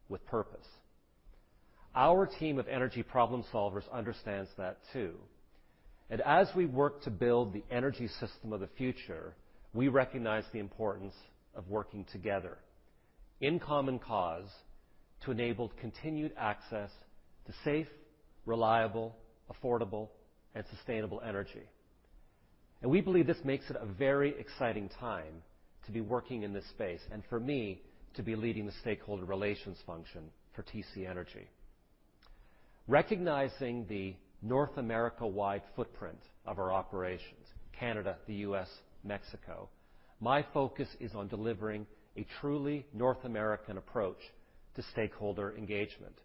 with purpose. Our team of energy problem solvers understands that too, and as we work to build the energy system of the future, we recognize the importance of working together in common cause to enable continued access to safe, reliable, affordable, and sustainable energy. We believe this makes it a very exciting time to be working in this space, and for me, to be leading the stakeholder relations function for TC Energy. Recognizing the North America-wide footprint of our operations, Canada, the U.S., Mexico, my focus is on delivering a truly North American approach to stakeholder engagement.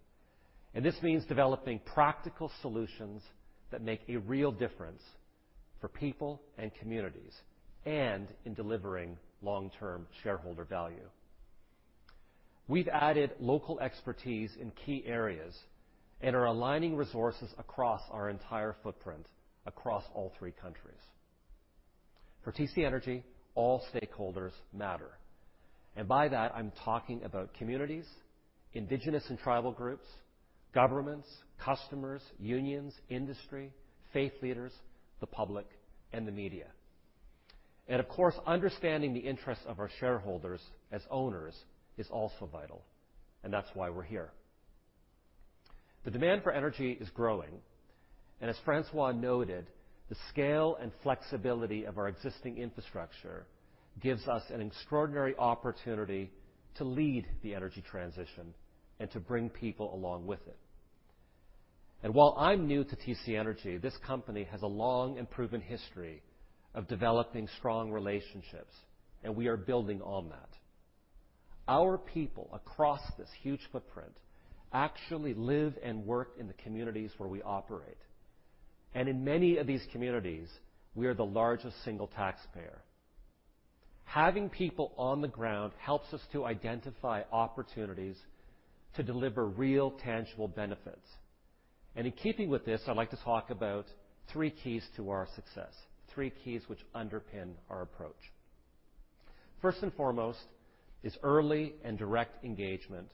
This means developing practical solutions that make a real difference for people and communities, and in delivering long-term shareholder value. We've added local expertise in key areas and are aligning resources across our entire footprint across all three countries. For TC Energy, all stakeholders matter, and by that, I'm talking about communities, Indigenous and tribal groups, governments, customers, unions, industry, faith leaders, the public, and the media. Of course, understanding the interests of our shareholders as owners is also vital, and that's why we're here. The demand for energy is growing, and as François noted, the scale and flexibility of our existing infrastructure gives us an extraordinary opportunity to lead the energy transition and to bring people along with it. While I'm new to TC Energy, this company has a long and proven history of developing strong relationships, and we are building on that. Our people across this huge footprint actually live and work in the communities where we operate. In many of these communities, we are the largest single taxpayer. Having people on the ground helps us to identify opportunities to deliver real, tangible benefits. In keeping with this, I'd like to talk about three keys to our success, three keys which underpin our approach. First and foremost is early and direct engagement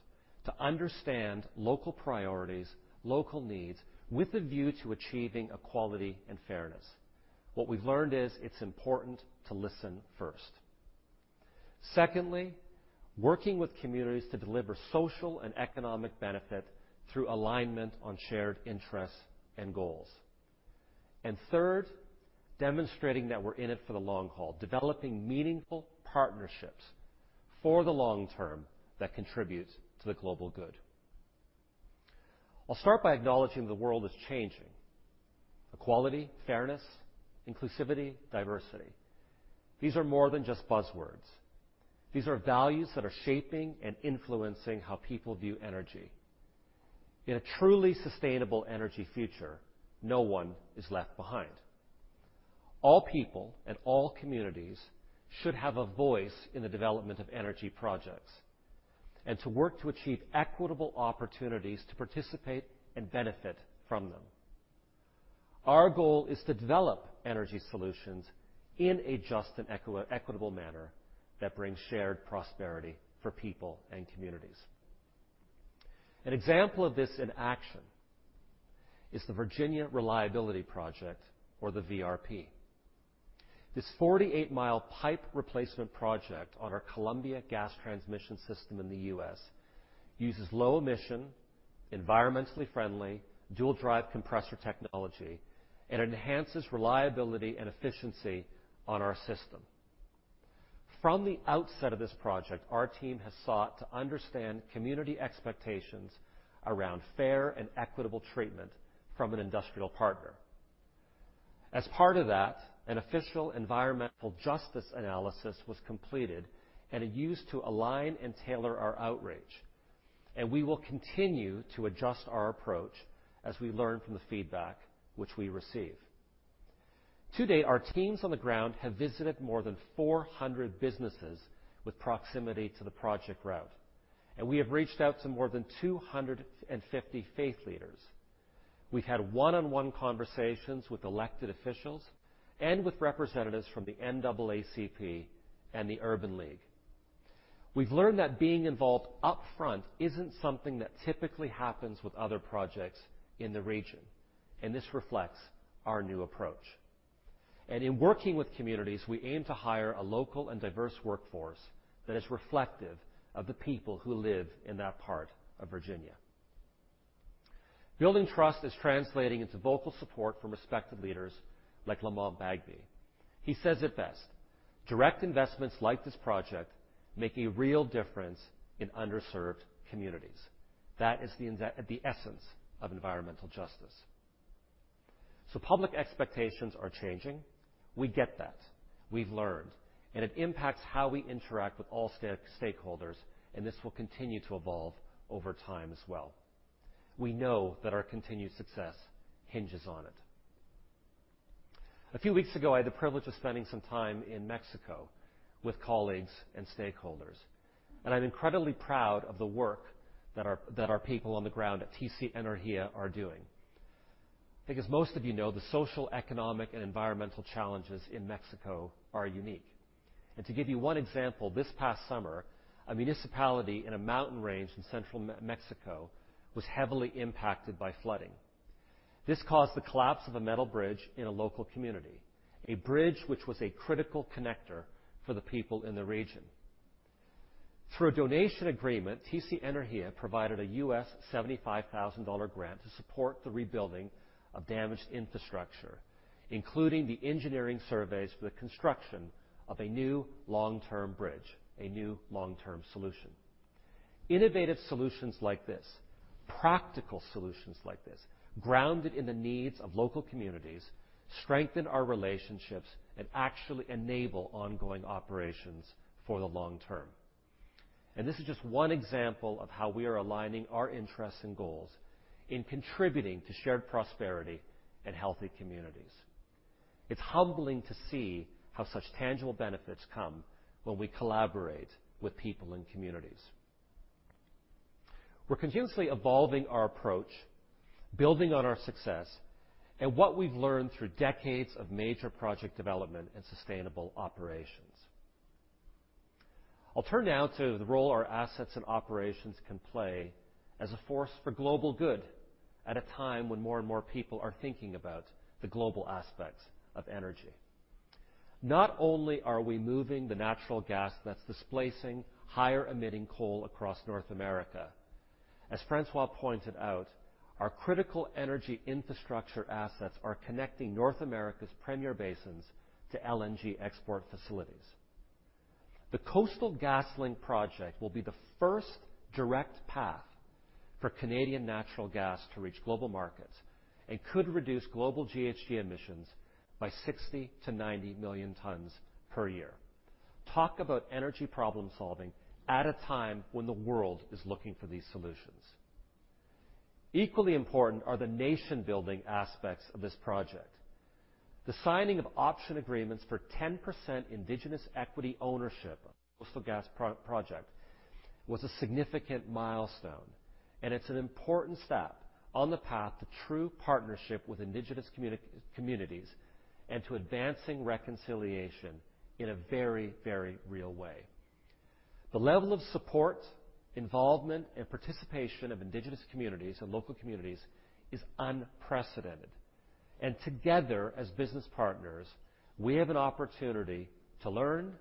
to understand local priorities, local needs, with a view to achieving equality and fairness. What we've learned is it's important to listen first. Secondly, working with communities to deliver social and economic benefit through alignment on shared interests and goals. Third, demonstrating that we're in it for the long haul, developing meaningful partnerships for the long term that contribute to the global good. I'll start by acknowledging the world is changing. Equality, fairness, inclusivity, diversity. These are more than just buzzwords. These are values that are shaping and influencing how people view energy. In a truly sustainable energy future, no one is left behind. All people and all communities should have a voice in the development of energy projects and to work to achieve equitable opportunities to participate and benefit from them. Our goal is to develop energy solutions in a just and equitable manner that brings shared prosperity for people and communities. An example of this in action is the Virginia Reliability Project or the VRP. This 48-mile pipe replacement project on our Columbia Gas Transmission system in the U.S. uses low-emission, environmentally friendly, Dual Drive compressor technology, and enhances reliability and efficiency on our system. From the outset of this project, our team has sought to understand community expectations around fair and equitable treatment from an industrial partner. As part of that, an official environmental justice analysis was completed, and used to align and tailor our outreach. We will continue to adjust our approach as we learn from the feedback which we receive. To date, our teams on the ground have visited more than 400 businesses with proximity to the project route, and we have reached out to more than 250 faith leaders. We've had one-on-one conversations with elected officials and with representatives from the NAACP and the Urban League. We've learned that being involved upfront isn't something that typically happens with other projects in the region, and this reflects our new approach. In working with communities, we aim to hire a local and diverse workforce that is reflective of the people who live in that part of Virginia. Building trust is translating into vocal support from respected leaders like Lamont Bagby. He says it best, "Direct investments like this project make a real difference in underserved communities. That is the essence of environmental justice." Public expectations are changing. We get that. We've learned, and it impacts how we interact with all stakeholders, and this will continue to evolve over time as well. We know that our continued success hinges on it. A few weeks ago, I had the privilege of spending some time in Mexico with colleagues and stakeholders, and I'm incredibly proud of the work that our people on the ground at TC Energía are doing. Because most of you know, the social, economic, and environmental challenges in Mexico are unique. To give you one example, this past summer, a municipality in a mountain range in central Mexico was heavily impacted by flooding. This caused the collapse of a metal bridge in a local community, a bridge which was a critical connector for the people in the region. Through a donation agreement, TC Energía provided a $75,000 grant to support the rebuilding of damaged infrastructure, including the engineering surveys for the construction of a new long-term bridge, a new long-term solution. Innovative solutions like this, practical solutions like this, grounded in the needs of local communities, strengthen our relationships and actually enable ongoing operations for the long term. This is just one example of how we are aligning our interests and goals in contributing to shared prosperity and healthy communities. It's humbling to see how such tangible benefits come when we collaborate with people in communities. We're continuously evolving our approach, building on our success, and what we've learned through decades of major project development and sustainable operations. I'll turn now to the role our assets and operations can play as a force for global good at a time when more and more people are thinking about the global aspects of energy. Not only are we moving the natural gas that's displacing higher emitting coal across North America, as François pointed out, our critical energy infrastructure assets are connecting North America's premier basins to LNG export facilities. The Coastal GasLink project will be the first direct path for Canadian natural gas to reach global markets and could reduce global GHG emissions by 60-90 million tons per year. Talk about energy problem-solving at a time when the world is looking for these solutions. Equally important are the nation-building aspects of this project. The signing of option agreements for 10% Indigenous equity ownership of the Coastal GasLink project was a significant milestone, and it's an important step on the path to true partnership with Indigenous communities and to advancing reconciliation in a very, very real way. The level of support, involvement, and participation of Indigenous communities and local communities is unprecedented. Together, as business partners, we have an opportunity to learn,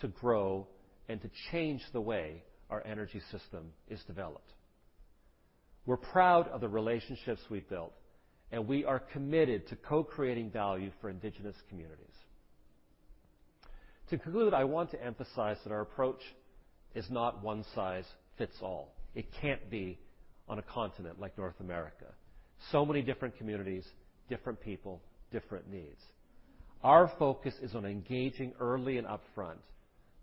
to grow, and to change the way our energy system is developed. We're proud of the relationships we've built, and we are committed to co-creating value for Indigenous communities. To conclude, I want to emphasize that our approach is not one size fits all. It can't be on a continent like North America. So many different communities, different people, different needs. Our focus is on engaging early and upfront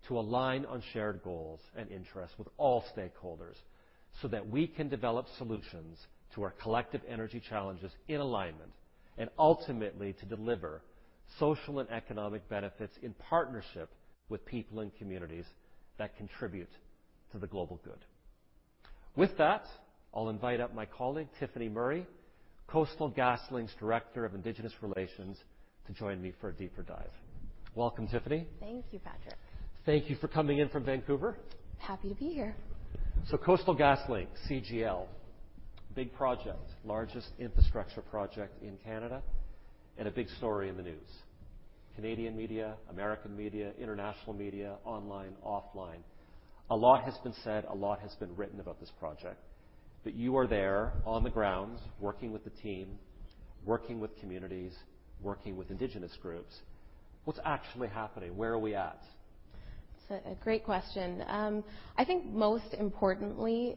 to align on shared goals and interests with all stakeholders, so that we can develop solutions to our collective energy challenges in alignment and ultimately to deliver social and economic benefits in partnership with people and communities that contribute to the global good. With that, I'll invite up my colleague, Tiffany Murray, Coastal GasLink's Director of Indigenous Relations, to join me for a deeper dive. Welcome, Tiffany. Thank you, Patrick. Thank you for coming in from Vancouver. Happy to be here. Coastal GasLink, CGL, big project, largest infrastructure project in Canada, and a big story in the news. Canadian media, American media, international media, online, offline. A lot has been said, a lot has been written about this project, but you are there on the ground working with the team, working with communities, working with Indigenous groups. What's actually happening? Where are we at? It's a great question. I think most importantly,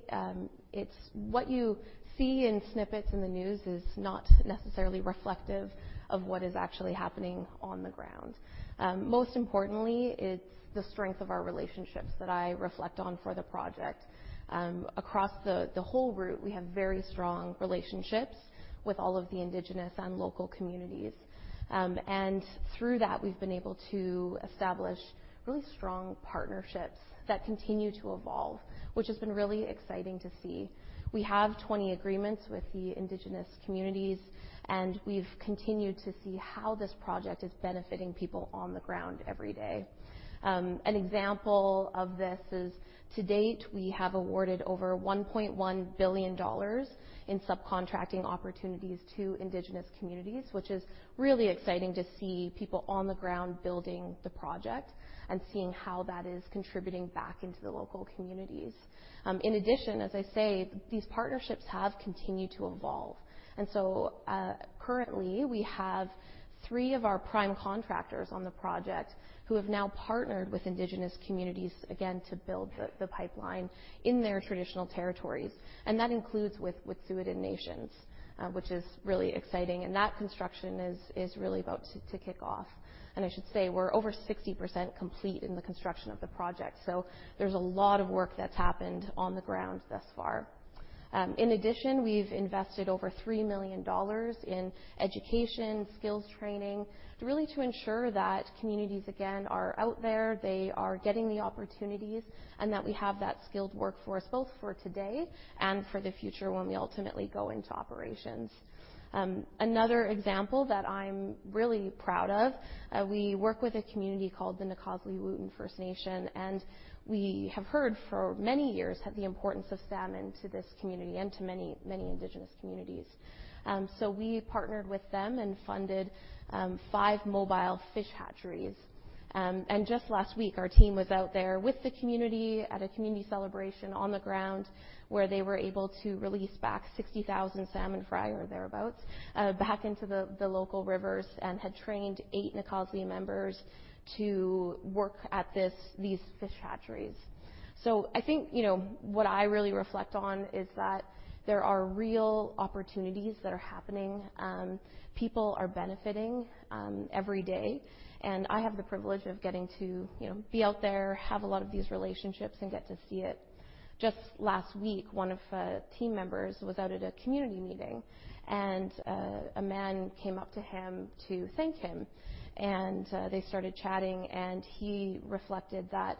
it's what you see in snippets in the news is not necessarily reflective of what is actually happening on the ground. Most importantly, it's the strength of our relationships that I reflect on for the project. Across the whole route, we have very strong relationships with all of the Indigenous and local communities. Through that, we've been able to establish really strong partnerships that continue to evolve, which has been really exciting to see. We have 20 agreements with the Indigenous communities, and we've continued to see how this project is benefiting people on the ground every day. An example of this is, to date, we have awarded over 1.1 billion dollars in subcontracting opportunities to Indigenous communities, which is really exciting to see people on the ground building the project and seeing how that is contributing back into the local communities. In addition, as I say, these partnerships have continued to evolve. Currently, we have three of our prime contractors on the project who have now partnered with Indigenous communities, again, to build the pipeline in their traditional territories. That includes with Tsuutʼina Nation, which is really exciting. That construction is really about to kick off. I should say we're over 60% complete in the construction of the project. There's a lot of work that's happened on the ground thus far. In addition, we've invested over 3 million dollars in education, skills training, to really ensure that communities, again, are out there, they are getting the opportunities, and that we have that skilled workforce both for today and for the future when we ultimately go into operations. Another example that I'm really proud of, we work with a community called the Nak'azdli Whut'en First Nation, and we have heard for many years the importance of salmon to this community and to many, many Indigenous communities. We partnered with them and funded five mobile fish hatcheries. Just last week, our team was out there with the community at a community celebration on the ground where they were able to release back 60,000 salmon fry or thereabout back into the local rivers and had trained eight Nak'azdli members to work at these fish hatcheries. I think, you know, what I really reflect on is that there are real opportunities that are happening. People are benefiting every day. I have the privilege of getting to, you know, be out there, have a lot of these relationships, and get to see it. Just last week, one of our team members was out at a community meeting, and a man came up to him to thank him. They started chatting, and he reflected that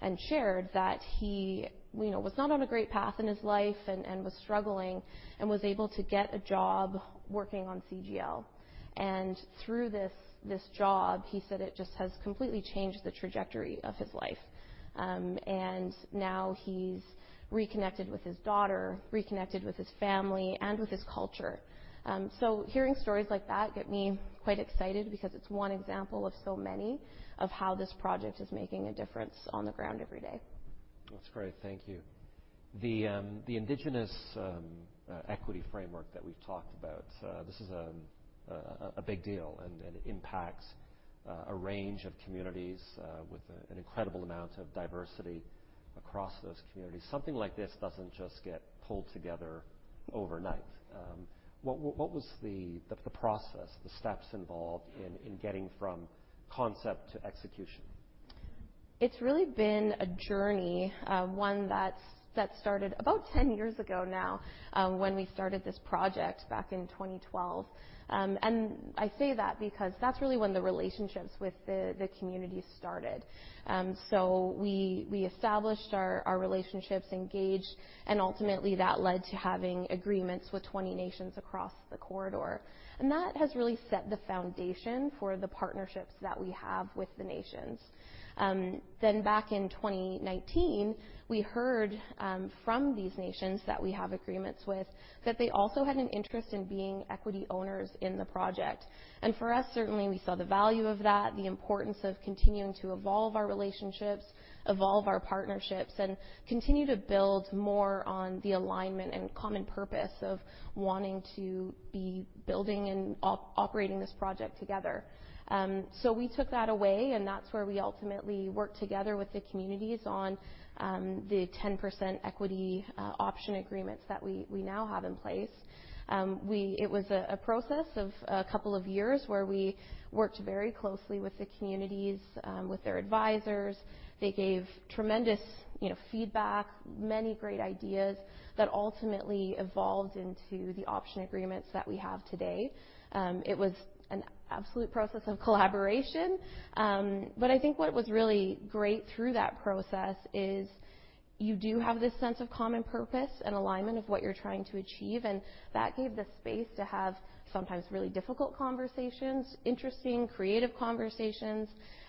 and shared that he, you know, was not on a great path in his life and was struggling and was able to get a job working on CGL. Through this job, he said it just has completely changed the trajectory of his life. Now he's reconnected with his daughter, reconnected with his family and with his culture. Hearing stories like that gets me quite excited because it's one example of so many of how this project is making a difference on the ground every day. That's great. Thank you. The Indigenous equity framework that we've talked about, this is a big deal and impacts a range of communities with an incredible amount of diversity across those communities. Something like this doesn't just get pulled together overnight. What was the process, the steps involved in getting from concept to execution? It's really been a journey, one that started about 10 years ago now, when we started this project back in 2012. I say that because that's really when the relationships with the community started. We established our relationships, engaged, and ultimately that led to having agreements with 20 nations across the corridor. That has really set the foundation for the partnerships that we have with the nations. Back in 2019, we heard from these nations that we have agreements with that they also had an interest in being equity owners in the project. For us, certainly, we saw the value of that, the importance of continuing to evolve our relationships, evolve our partnerships, and continue to build more on the alignment and common purpose of wanting to be building and operating this project together. So we took that away, and that's where we ultimately worked together with the communities on the 10% equity option agreements that we now have in place. It was a process of a couple of years where we worked very closely with the communities with their advisors. They gave tremendous, you know, feedback, many great ideas that ultimately evolved into the option agreements that we have today. It was an absolute process of collaboration. I think what was really great through that process is you do have this sense of common purpose and alignment of what you're trying to achieve, and that gave the space to have sometimes really difficult conversations, interesting, creative conversations,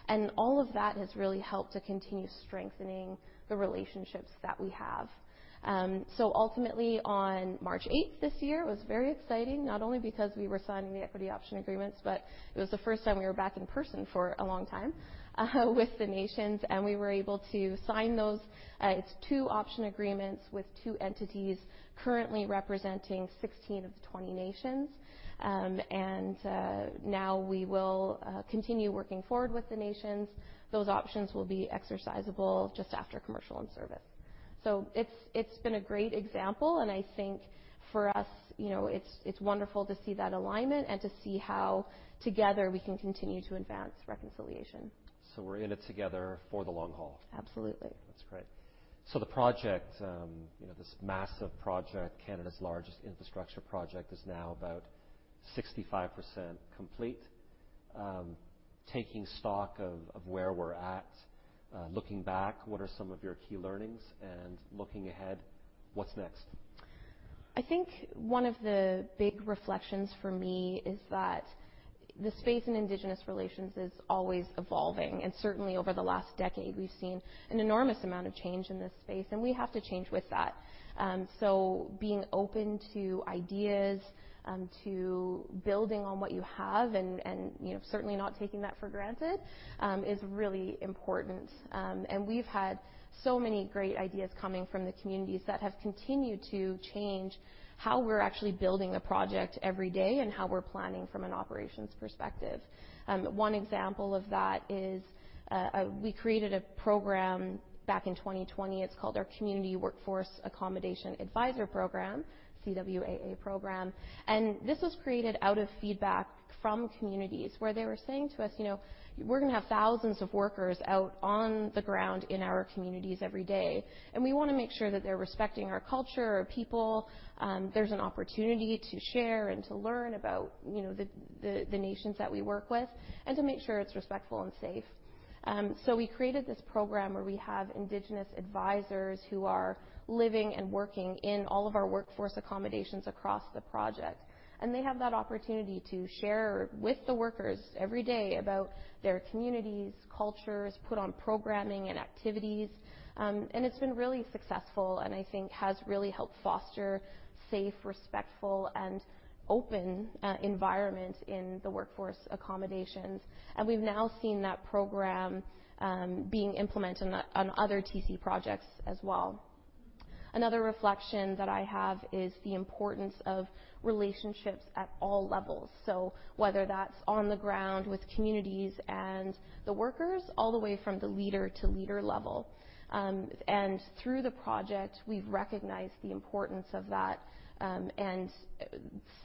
and all of that has really helped to continue strengthening the relationships that we have. Ultimately, on March 8 this year, it was very exciting, not only because we were signing the equity option agreements, but it was the first time we were back in person for a long time with the nations, and we were able to sign those two option agreements with two entities currently representing 16 of the 20 nations. Now we will continue working forward with the nations. Those options will be exercisable just after commercial in service. It's been a great example, and I think for us, you know, it's wonderful to see that alignment and to see how together we can continue to advance reconciliation. We're in it together for the long haul. Absolutely. That's great. The project, you know, this massive project, Canada's largest infrastructure project, is now about 65% complete. Taking stock of where we're at, looking back, what are some of your key learnings, and looking ahead, what's next? I think one of the big reflections for me is that the space in Indigenous relations is always evolving. Certainly, over the last decade, we've seen an enormous amount of change in this space, and we have to change with that. Being open to ideas, to building on what you have and, you know, certainly not taking that for granted, is really important. We've had so many great ideas coming from the communities that have continued to change how we're actually building the project every day and how we're planning from an operations perspective. One example of that is, we created a program back in 2020. It's called our Community Workforce Accommodation Advisor program, CWAA program. This was created out of feedback from communities where they were saying to us, you know, we're gonna have thousands of workers out on the ground in our communities every day, and we wanna make sure that they're respecting our culture, our people. There's an opportunity to share and to learn about, you know, the nations that we work with and to make sure it's respectful and safe. So we created this program where we have indigenous advisors who are living and working in all of our workforce accommodations across the project. They have that opportunity to share with the workers every day about their communities, cultures, put on programming and activities. It's been really successful, and I think has really helped foster safe, respectful, and open environment in the workforce accommodations. We've now seen that program being implemented on other TC projects as well. Another reflection that I have is the importance of relationships at all levels. Whether that's on the ground with communities and the workers, all the way from the leader-to-leader level. Through the project, we've recognized the importance of that, and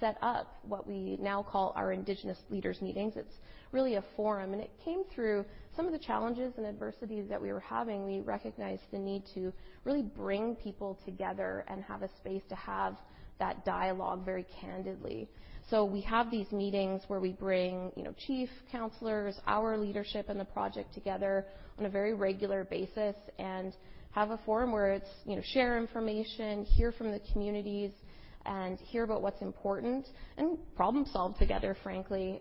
set up what we now call our Indigenous leaders meetings. It's really a forum, and it came through some of the challenges and adversities that we were having. We recognized the need to really bring people together and have a space to have that dialogue very candidly. We have these meetings where we bring, you know, chiefs and councillors, our leadership in the project together on a very regular basis and have a forum where it's, you know, share information, hear from the communities and hear about what's important and problem solve together, frankly.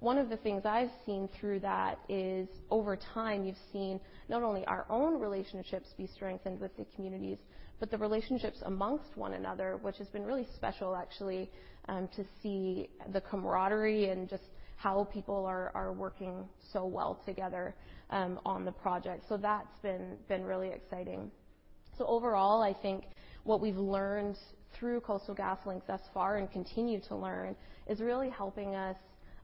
One of the things I've seen through that is, over time, you've seen not only our own relationships be strengthened with the communities, but the relationships amongst one another, which has been really special actually, to see the camaraderie and just how people are working so well together, on the project. That's been really exciting. Overall, I think what we've learned through Coastal GasLink thus far and continue to learn is really helping us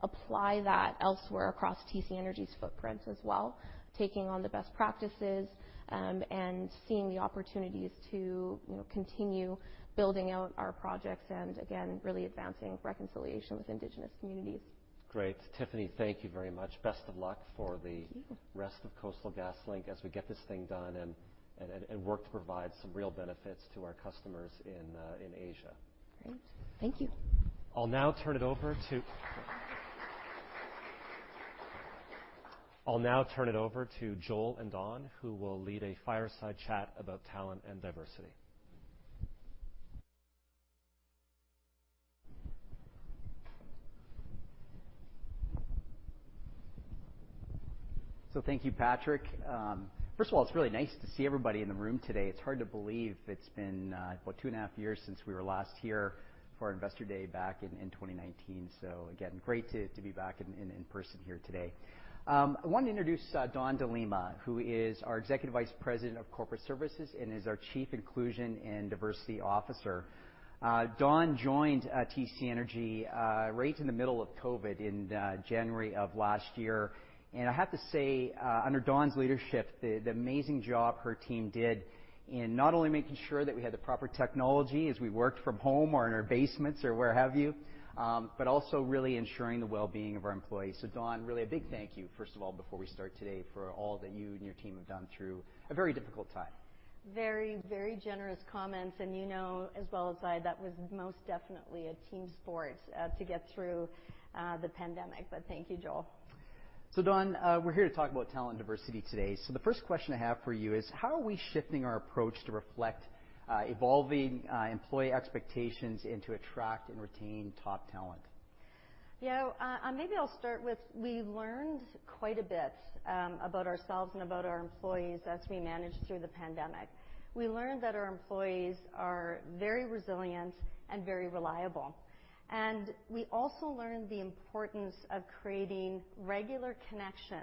apply that elsewhere across TC Energy's footprints as well, taking on the best practices, and seeing the opportunities to, you know, continue building out our projects and again, really advancing reconciliation with Indigenous communities. Great. Tiffany, thank you very much. Best of luck for the. Thank you. Rest of Coastal GasLink as we get this thing done and work to provide some real benefits to our customers in Asia. Great. Thank you. I'll now turn it over to Joel and Dawn, who will lead a fireside chat about talent and diversity. Thank you, Patrick. First of all, it's really nice to see everybody in the room today. It's hard to believe it's been about two and a half years since we were last here for our Investor Day back in 2019. Again, great to be back in person here today. I want to introduce Dawn de Lima, who is our Executive Vice President of Corporate Services and is our Chief Inclusion and Diversity Officer. Dawn joined TC Energy right in the middle of COVID in January of last year. I have to say, under Dawn's leadership, the amazing job her team did in not only making sure that we had the proper technology as we worked from home or in our basements or where have you, but also really ensuring the well-being of our employees. Dawn, really a big thank you, first of all, before we start today, for all that you and your team have done through a very difficult time. Very, very generous comments. You know, as well as I, that was most definitely a team sport to get through the pandemic. Thank you, Joel. Dawn, we're here to talk about talent diversity today. The first question I have for you is, how are we shifting our approach to reflect evolving employee expectations and to attract and retain top talent? Maybe I'll start with we learned quite a bit about ourselves and about our employees as we managed through the pandemic. We learned that our employees are very resilient and very reliable. We also learned the importance of creating regular connection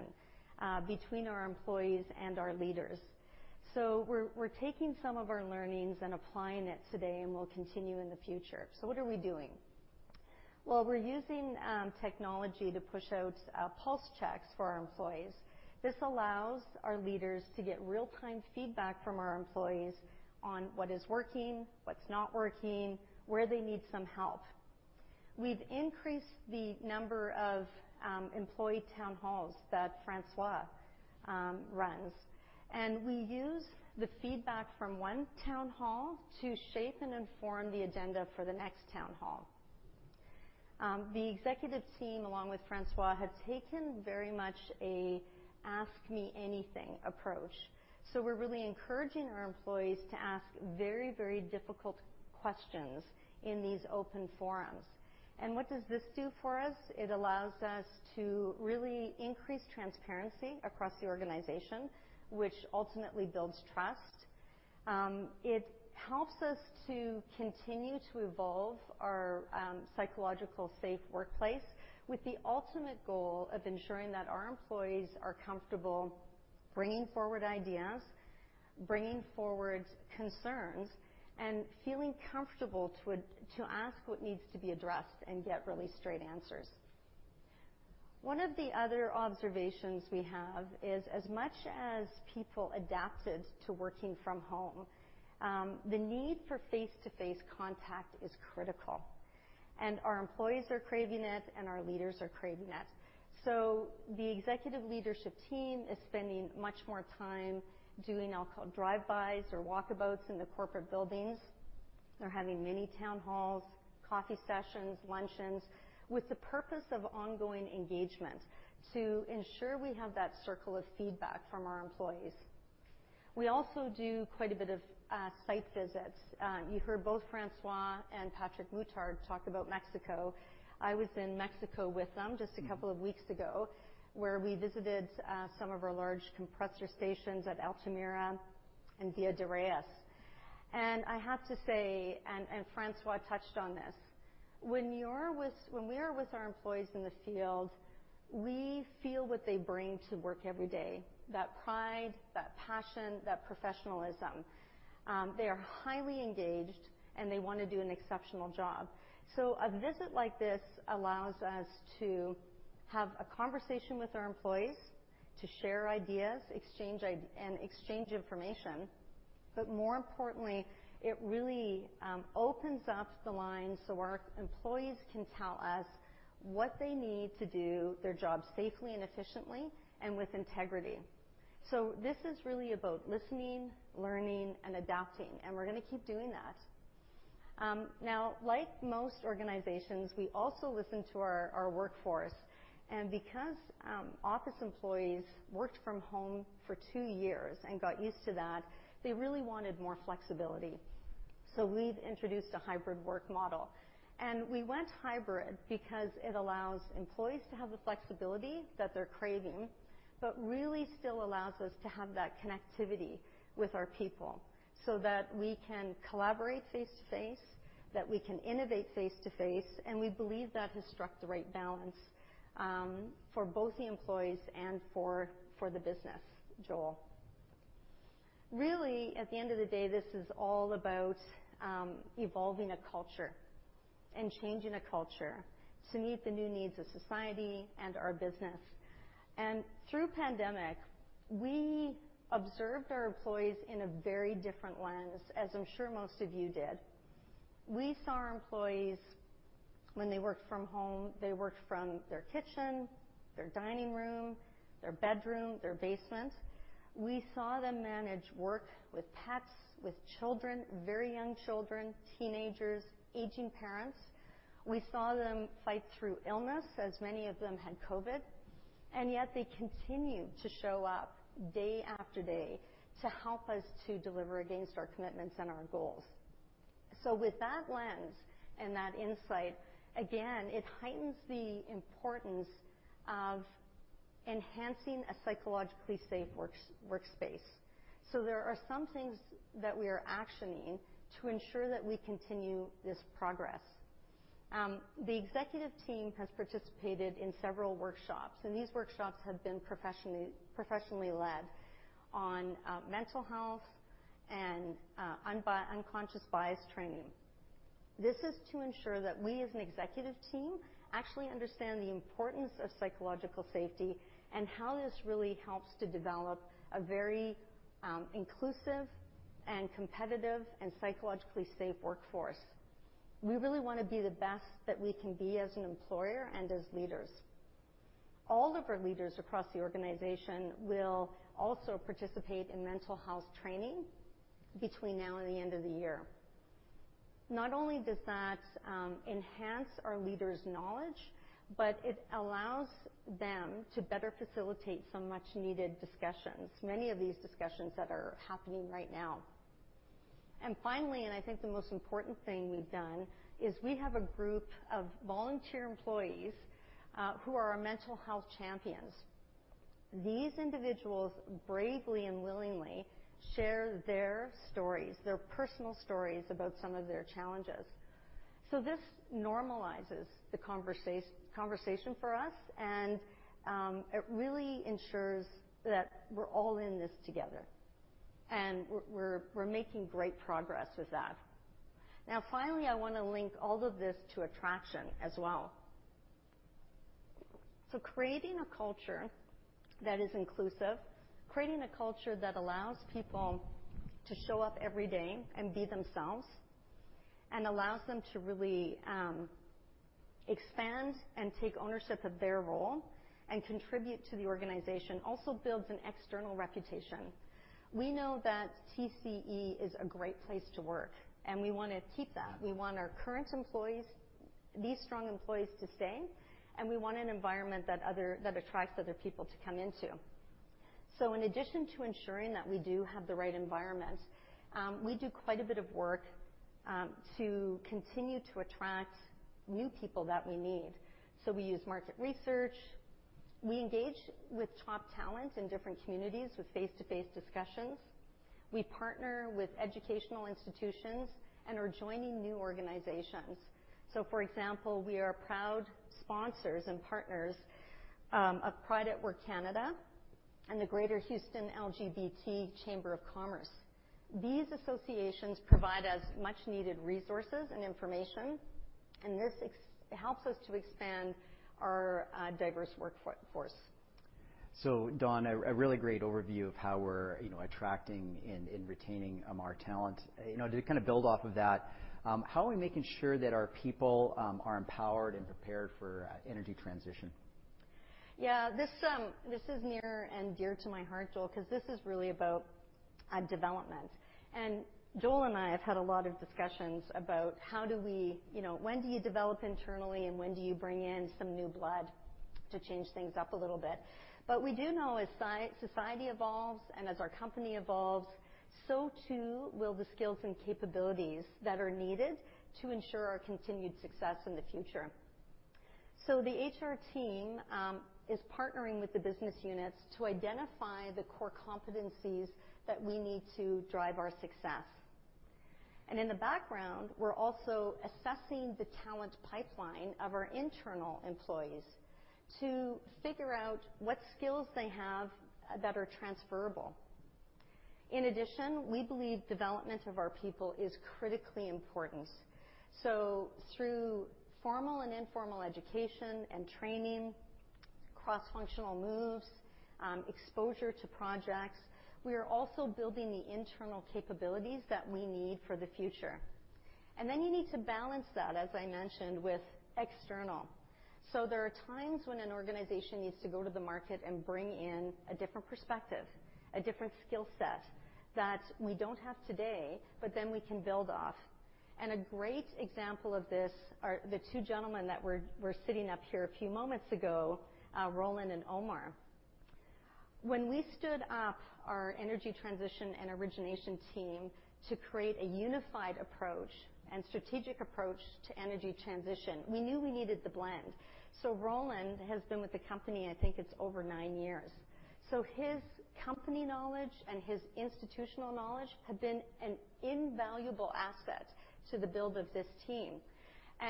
between our employees and our leaders. We're taking some of our learnings and applying it today, and we'll continue in the future. What are we doing? Well, we're using technology to push out pulse checks for our employees. This allows our leaders to get real-time feedback from our employees on what is working, what's not working, where they need some help. We've increased the number of employee town halls that François runs, and we use the feedback from one town hall to shape and inform the agenda for the next town hall. The executive team, along with François, have taken very much an ask me anything approach. We're really encouraging our employees to ask very, very difficult questions in these open forums. What does this do for us? It allows us to really increase transparency across the organization, which ultimately builds trust. It helps us to continue to evolve our psychologically safe workplace with the ultimate goal of ensuring that our employees are comfortable bringing forward ideas, bringing forward concerns, and feeling comfortable to ask what needs to be addressed and get really straight answers. One of the other observations we have is as much as people adapted to working from home, the need for face-to-face contact is critical, and our employees are craving it, and our leaders are craving it. The executive leadership team is spending much more time doing drive-bys or walkabouts in the corporate buildings. They're having mini town halls, coffee sessions, luncheons with the purpose of ongoing engagement to ensure we have that circle of feedback from our employees. We also do quite a bit of site visits. You heard both François and Patrick Muttart talk about Mexico. I was in Mexico with them just a couple of weeks ago, where we visited some of our large compressor stations at Altamira and Villa de Reyes. I have to say, François touched on this. When we are with our employees in the field, we feel what they bring to work every day, that pride, that passion, that professionalism. They are highly engaged, and they wanna do an exceptional job. A visit like this allows us to have a conversation with our employees to share ideas, and exchange information. More importantly, it really opens up the lines so our employees can tell us what they need to do their job safely and efficiently and with integrity. This is really about listening, learning, and adapting, and we're gonna keep doing that. Like most organizations, we also listen to our workforce, and because office employees worked from home for two years and got used to that, they really wanted more flexibility. We've introduced a hybrid work model, and we went hybrid because it allows employees to have the flexibility that they're craving but really still allows us to have that connectivity with our people so that we can collaborate face-to-face, that we can innovate face-to-face, and we believe that has struck the right balance for both the employees and for the business, Joel. Really, at the end of the day, this is all about evolving a culture and changing a culture to meet the new needs of society and our business. Through the pandemic, we observed our employees in a very different lens, as I'm sure most of you did. We saw our employees when they worked from home. They worked from their kitchen, their dining room, their bedroom, their basement. We saw them manage work with pets, with children, very young children, teenagers, aging parents. We saw them fight through illness, as many of them had COVID, and yet they continued to show up day after day to help us to deliver against our commitments and our goals. With that lens and that insight, again, it heightens the importance of enhancing a psychologically safe workspace. There are some things that we are actioning to ensure that we continue this progress. The executive team has participated in several workshops, and these workshops have been professionally led on mental health and unconscious bias training. This is to ensure that we as an executive team actually understand the importance of psychological safety and how this really helps to develop a very, inclusive and competitive and psychologically safe workforce. We really wanna be the best that we can be as an employer and as leaders. All of our leaders across the organization will also participate in mental health training between now and the end of the year. Not only does that, enhance our leaders' knowledge, but it allows them to better facilitate some much-needed discussions, many of these discussions that are happening right now. Finally, and I think the most important thing we've done is we have a group of volunteer employees, who are our mental health champions. These individuals bravely and willingly share their stories, their personal stories about some of their challenges. This normalizes the conversation for us, and it really ensures that we're all in this together. We're making great progress with that. Now, finally, I wanna link all of this to attraction as well. Creating a culture that is inclusive, creating a culture that allows people to show up every day and be themselves, and allows them to really expand and take ownership of their role and contribute to the organization also builds an external reputation. We know that TC Energy is a great place to work, and we wanna keep that. We want our current employees, these strong employees to stay, and we want an environment that attracts other people to come into. In addition to ensuring that we do have the right environment, we do quite a bit of work to continue to attract new people that we need. We use market research, we engage with top talent in different communities with face-to-face discussions, we partner with educational institutions and are joining new organizations. For example, we are proud sponsors and partners of Pride at Work Canada and the Greater Houston LGBTQ+ Chamber of Commerce. These associations provide us much needed resources and information, and this helps us to expand our diverse workforce. Dawn, a really great overview of how we're, you know, attracting and retaining our talent. You know, to kinda build off of that, how are we making sure that our people are empowered and prepared for energy transition? Yeah. This is near and dear to my heart, Joel, 'cause this is really about development. Joel and I have had a lot of discussions about how do we, you know, when do you develop internally, and when do you bring in some new blood to change things up a little bit? We do know as society evolves and as our company evolves, so too will the skills and capabilities that are needed to ensure our continued success in the future. The HR team is partnering with the business units to identify the core competencies that we need to drive our success. In the background, we're also assessing the talent pipeline of our internal employees to figure out what skills they have that are transferable. In addition, we believe development of our people is critically important. Through formal and informal education and training, cross-functional moves, exposure to projects, we are also building the internal capabilities that we need for the future. You need to balance that, as I mentioned, with external. There are times when an organization needs to go to the market and bring in a different perspective, a different skill set that we don't have today, but then we can build off. A great example of this are the two gentlemen that were sitting up here a few moments ago, Roland and Omar. When we stood up our energy transition and origination team to create a unified approach and strategic approach to energy transition, we knew we needed the blend. Roland has been with the company, I think it's over nine years. His company knowledge and his institutional knowledge have been an invaluable asset to the build of this team.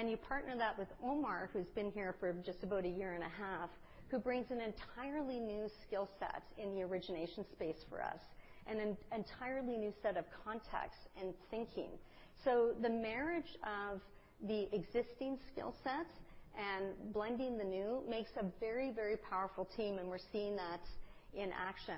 You partner that with Omar, who's been here for just about a year and a half, who brings an entirely new skill set in the origination space for us and an entirely new set of context and thinking. The marriage of the existing skill sets and blending the new makes a very, very powerful team, and we're seeing that in action.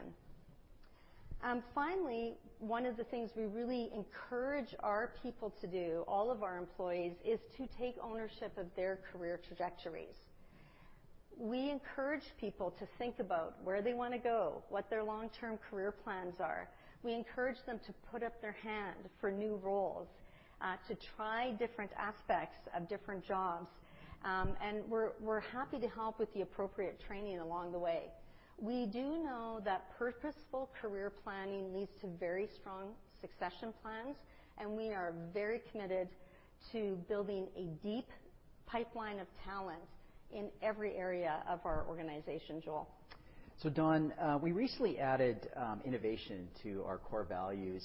Finally, one of the things we really encourage our people to do, all of our employees, is to take ownership of their career trajectories. We encourage people to think about where they wanna go, what their long-term career plans are. We encourage them to put up their hand for new roles, to try different aspects of different jobs. We're happy to help with the appropriate training along the way. We do know that purposeful career planning leads to very strong succession plans, and we are very committed to building a deep pipeline of talent in every area of our organization, Joel. Dawn, we recently added innovation to our core values.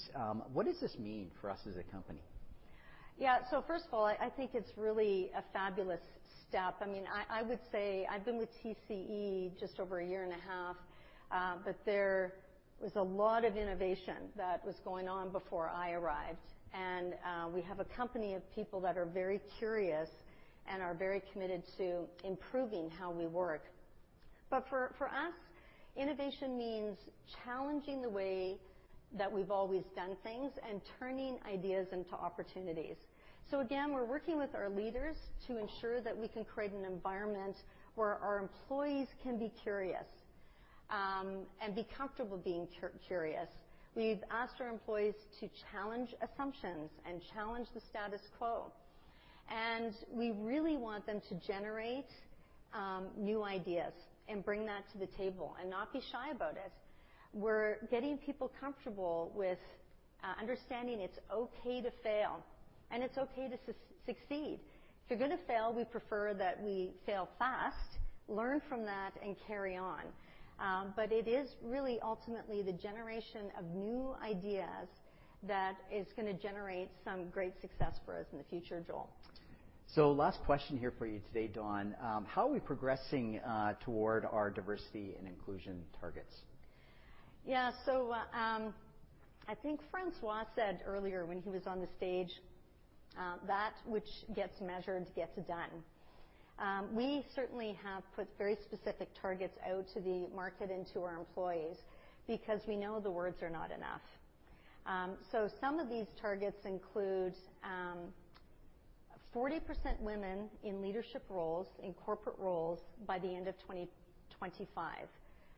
What does this mean for us as a company? Yeah. First of all, I think it's really a fabulous step. I mean, I would say I've been with TCE just over a year and a half, but there was a lot of innovation that was going on before I arrived. We have a company of people that are very curious and are very committed to improving how we work. For us, innovation means challenging the way that we've always done things and turning ideas into opportunities. Again, we're working with our leaders to ensure that we can create an environment where our employees can be curious and be comfortable being curious. We've asked our employees to challenge assumptions and challenge the status quo. We really want them to generate new ideas and bring that to the table and not be shy about it. We're getting people comfortable with understanding it's okay to fail and it's okay to succeed. If you're gonna fail, we prefer that we fail fast, learn from that, and carry on. It is really ultimately the generation of new ideas that is gonna generate some great success for us in the future, Joel. Last question here for you today, Dawn. How are we progressing toward our diversity and inclusion targets? Yeah. I think François said earlier when he was on the stage, that which gets measured gets done. We certainly have put very specific targets out to the market and to our employees because we know the words are not enough. Some of these targets include 40% women in leadership roles, in corporate roles by the end of 2025.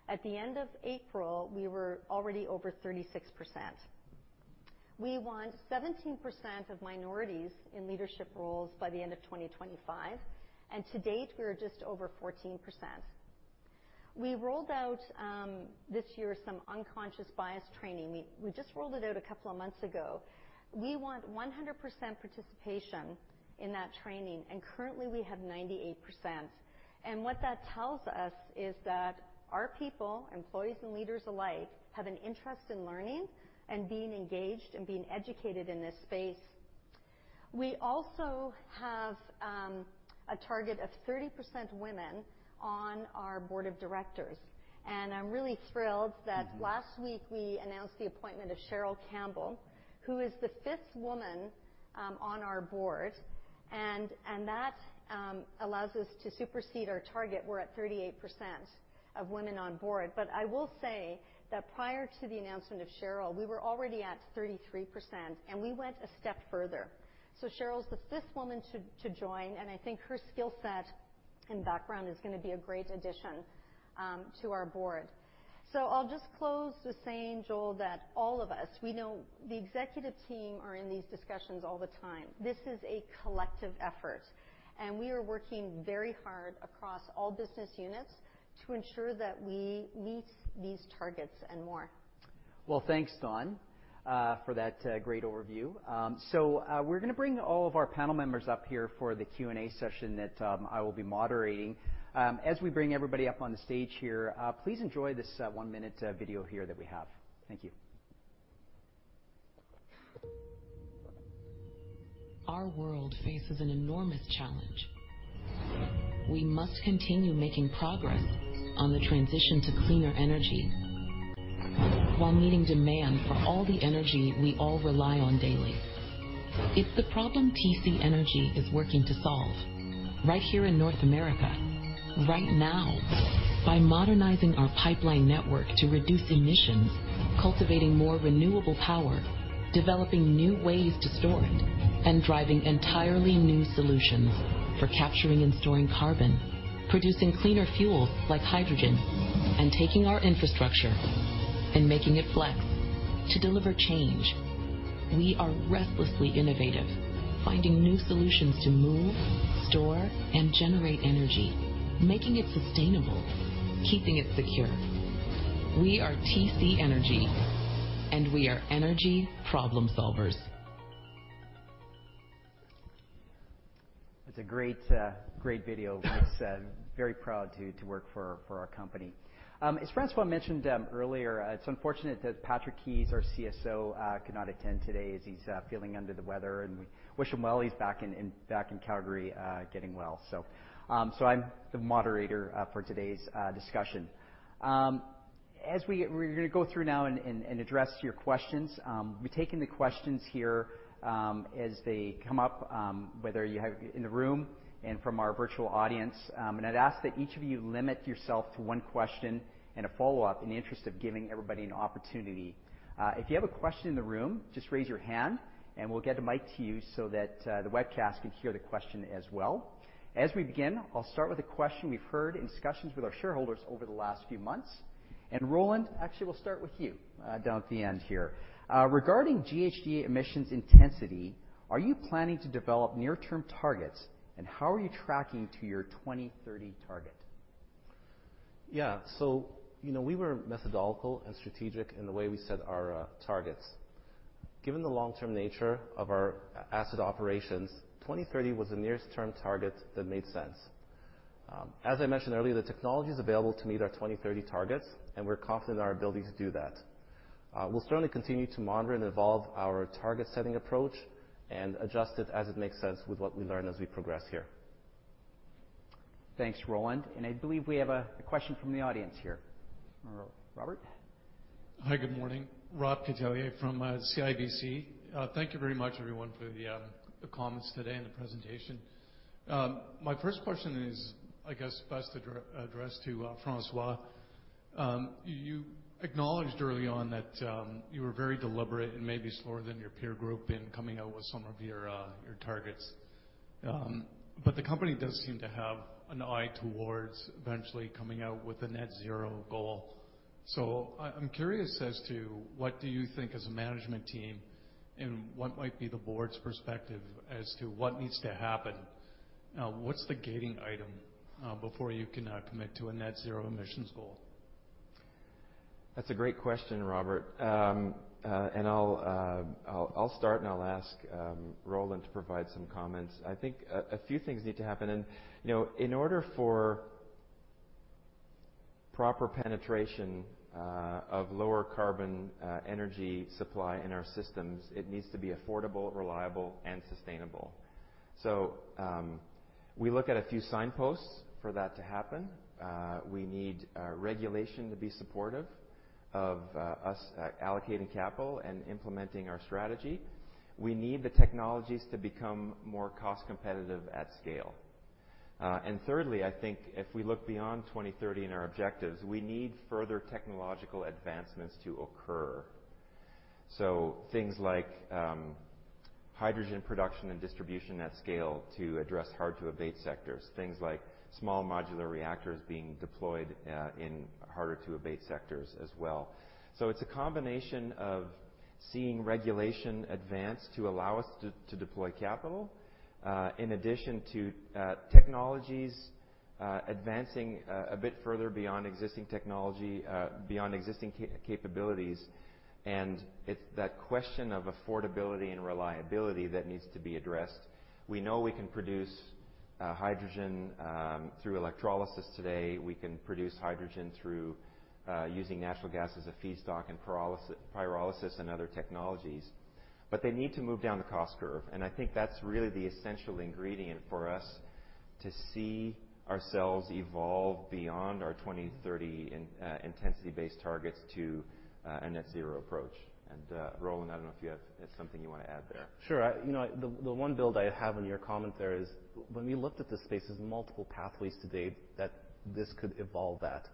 At the end of April, we were already over 36%. We want 17% of minorities in leadership roles by the end of 2025, and to date, we are just over 14%. We rolled out this year some unconscious bias training. We just rolled it out a couple of months ago. We want 100% participation in that training, and currently we have 98%. What that tells us is that our people, employees and leaders alike, have an interest in learning and being engaged and being educated in this space. We also have a target of 30% women on our board of directors. I'm really thrilled that last week we announced the appointment of Cheryl Campbell, who is the fifth woman on our board, and that allows us to supersede our target. We're at 38% of women on board. I will say that prior to the announcement of Cheryl, we were already at 33%, and we went a step further. Cheryl's the fifth woman to join, and I think her skill set and background is gonna be a great addition to our board. I'll just close with saying, Joel, that all of us, we know the executive team are in these discussions all the time. This is a collective effort, and we are working very hard across all business units to ensure that we meet these targets and more. Well, thanks, Dawn, for that great overview. We're gonna bring all of our panel members up here for the Q&A session that I will be moderating. As we bring everybody up on the stage here, please enjoy this one-minute video here that we have. Thank you. Our world faces an enormous challenge. We must continue making progress on the transition to cleaner energy while meeting demand for all the energy we all rely on daily. It's the problem TC Energy is working to solve right here in North America right now. By modernizing our pipeline network to reduce emissions, cultivating more renewable power, developing new ways to store it, and driving entirely new solutions for capturing and storing carbon, producing cleaner fuels like hydrogen, and taking our infrastructure and making it flex to deliver change. We are restlessly innovative, finding new solutions to move, store, and generate energy, making it sustainable, keeping it secure. We are TC Energy, and we are energy problem solvers. That's a great video. Makes very proud to work for our company. As François mentioned earlier, it's unfortunate that Patrick Keyes, our CSO, could not attend today as he's feeling under the weather, and we wish him well. He's back in Calgary getting well. I'm the moderator for today's discussion. We're gonna go through now and address your questions. We're taking the questions here as they come up, whether you have in the room and from our virtual audience. I'd ask that each of you limit yourself to one question and a follow-up in the interest of giving everybody an opportunity. If you have a question in the room, just raise your hand, and we'll get a mic to you so that the webcast can hear the question as well. As we begin, I'll start with a question we've heard in discussions with our shareholders over the last few months. Roland, actually, we'll start with you, down at the end here. Regarding GHG emissions intensity, are you planning to develop near-term targets, and how are you tracking to your 2030 target? Yeah. You know, we were methodological and strategic in the way we set our targets. Given the long-term nature of our asset operations, 2030 was the nearest term target that made sense. As I mentioned earlier, the technology is available to meet our 2030 targets, and we're confident in our ability to do that. We'll certainly continue to monitor and evolve our target-setting approach and adjust it as it makes sense with what we learn as we progress here. Thanks, Roland. I believe we have a question from the audience here. Robert. Hi, good morning. Robert Catellier from CIBC. Thank you very much everyone for the comments today and the presentation. My first question is, I guess, best addressed to François. You acknowledged early on that you were very deliberate and maybe slower than your peer group in coming out with some of your targets. But the company does seem to have an eye towards eventually coming out with a net zero goal. I am curious as to what you think as a management team and what might be the board's perspective as to what needs to happen. What's the gating item before you can commit to a net zero emissions goal? That's a great question, Robert. I'll start, and I'll ask Roland to provide some comments. I think a few things need to happen. You know, in order for. Proper penetration of lower carbon energy supply in our systems, it needs to be affordable, reliable, and sustainable. We look at a few signposts for that to happen. We need regulation to be supportive of us allocating capital and implementing our strategy. We need the technologies to become more cost-competitive at scale. Thirdly, I think if we look beyond 2030 in our objectives, we need further technological advancements to occur. Things like hydrogen production and distribution at scale to address hard-to-abate sectors, things like small modular reactors being deployed in harder-to-abate sectors as well. It's a combination of seeing regulation advance to allow us to deploy capital in addition to technologies advancing a bit further beyond existing technology, beyond existing capabilities. It's that question of affordability and reliability that needs to be addressed. We know we can produce hydrogen through electrolysis today. We can produce hydrogen through using natural gas as a feedstock and pyrolysis and other technologies. They need to move down the cost curve, and I think that's really the essential ingredient for us to see ourselves evolve beyond our 2030 intensity-based targets to a net zero approach. Roland, I don't know if you have something you wanna add there. Sure. I, you know, the one build I have on your comment there is when we looked at the spaces, multiple pathways today that this could evolve at.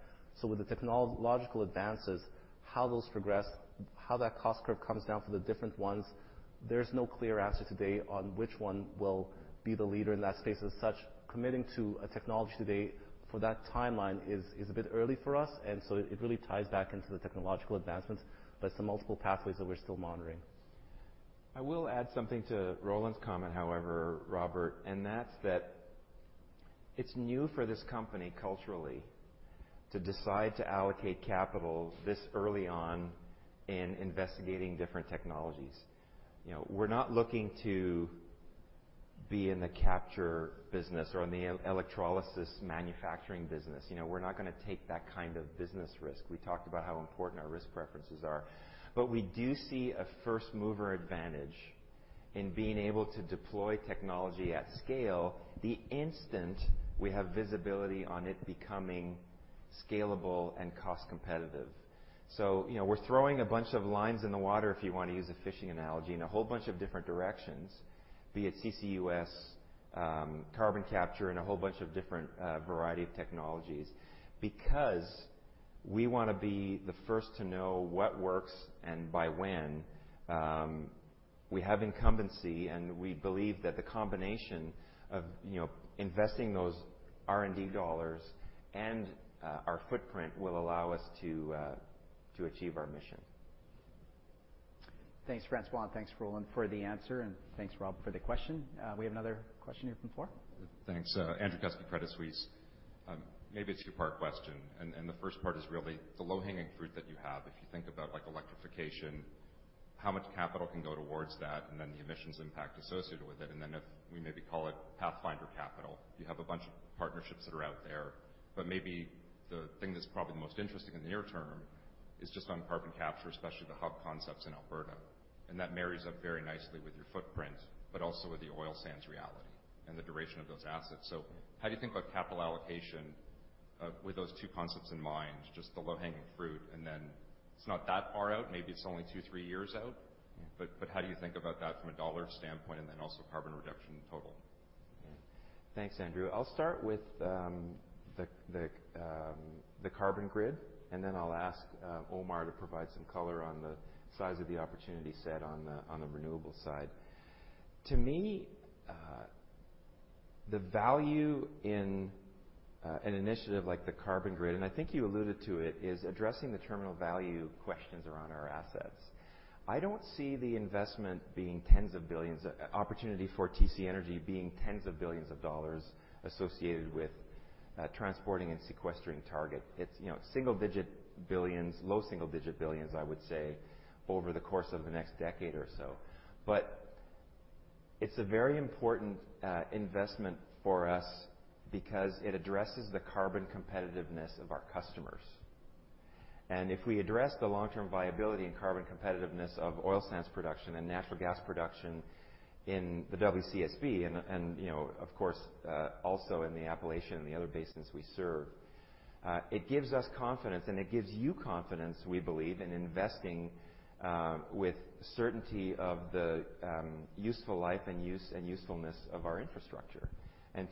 With the technological advances, how those progress, how that cost curve comes down for the different ones, there's no clear answer today on which one will be the leader in that space. As such, committing to a technology today for that timeline is a bit early for us. It really ties back into the technological advancements, but some multiple pathways that we're still monitoring. I will add something to Roland's comment, however, Robert, and that's that it's new for this company culturally to decide to allocate capital this early on in investigating different technologies. You know, we're not looking to be in the capture business or in the electrolysis manufacturing business. You know, we're not gonna take that kind of business risk. We talked about how important our risk preferences are. We do see a first mover advantage in being able to deploy technology at scale the instant we have visibility on it becoming scalable and cost competitive. You know, we're throwing a bunch of lines in the water, if you wanna use a fishing analogy, in a whole bunch of different directions, be it CCUS, carbon capture, and a whole bunch of different variety of technologies, because we wanna be the first to know what works and by when. We have incumbency, and we believe that the combination of, you know, investing those R&D dollars and our footprint will allow us to achieve our mission. Thanks, François, and thanks, Roland, for the answer. Thanks, Rob, for the question. We have another question here from the floor. Thanks. Andrew Kuske, Credit Suisse. Maybe it's a two-part question. The first part is really the low-hanging fruit that you have. If you think about like electrification, how much capital can go towards that, and then the emissions impact associated with it. Then if we maybe call it pathfinder capital, you have a bunch of partnerships that are out there. Maybe the thing that's probably the most interesting in the near term is just on carbon capture, especially the hub concepts in Alberta. That marries up very nicely with your footprint, but also with the oil sands reality and the duration of those assets. How do you think about capital allocation with those two concepts in mind, just the low-hanging fruit, and then it's not that far out, maybe it's only two, three years out. Yeah. How do you think about that from a dollar standpoint and then also carbon reduction total? Yeah. Thanks, Andrew. I'll start with the carbon grid, and then I'll ask Omar to provide some color on the size of the opportunity set on the renewables side. To me, the value in an initiative like the carbon grid, and I think you alluded to it, is addressing the terminal value questions around our assets. I don't see the investment being tens of billions, opportunity for TC Energy being tens of billions of dollars associated with transporting and sequestering carbon. It's, you know, single-digit billions, low single-digit billions, I would say, over the course of the next decade or so. But it's a very important investment for us because it addresses the carbon competitiveness of our customers. If we address the long-term viability and carbon competitiveness of oil sands production and natural gas production in the WCSB and you know, of course, also in the Appalachian and the other basins we serve, it gives us confidence, and it gives you confidence, we believe, in investing with certainty of the useful life and use and usefulness of our infrastructure.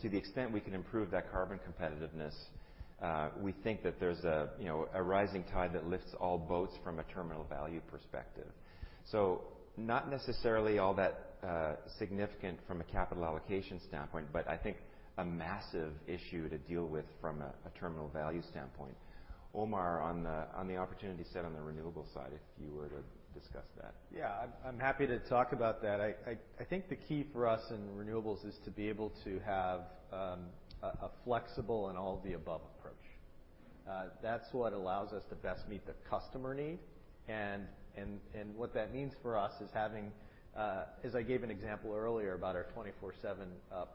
To the extent we can improve that carbon competitiveness, we think that there's a you know, a rising tide that lifts all boats from a terminal value perspective. Not necessarily all that significant from a capital allocation standpoint, but I think a massive issue to deal with from a terminal value standpoint. Omar, on the opportunity set on the renewables side, if you were to discuss that. Yeah, I'm happy to talk about that. I think the key for us in renewables is to be able to have a flexible and all of the above approach. That's what allows us to best meet the customer need. What that means for us is having, as I gave an example earlier about our 24/7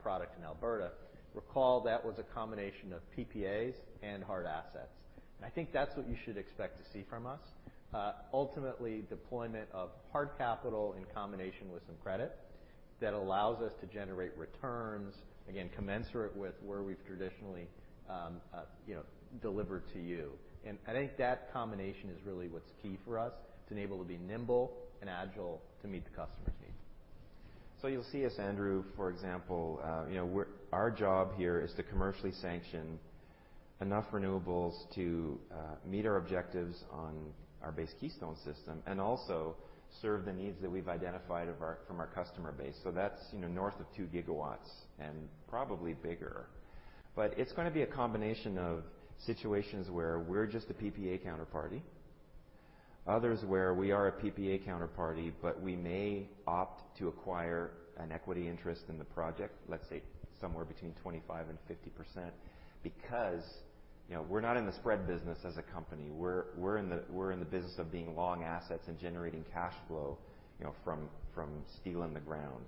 product in Alberta, recall that was a combination of PPAs and hard assets. I think that's what you should expect to see from us. Ultimately, deployment of hard capital in combination with some credit that allows us to generate returns, again, commensurate with where we've traditionally, you know, delivered to you. I think that combination is really what's key for us to enable to be nimble and agile to meet the customer's needs. You'll see us, Andrew, for example, you know, our job here is to commercially sanction enough renewables to meet our objectives on our base Keystone system and also serve the needs that we've identified from our customer base. That's, you know, north of 2 GW and probably bigger. But it's gonna be a combination of situations where we're just a PPA counterparty. Others where we are a PPA counterparty, but we may opt to acquire an equity interest in the project, let's say somewhere between 25% and 50%. Because, you know, we're not in the spread business as a company. We're in the business of being long assets and generating cash flow, you know, from steel in the ground.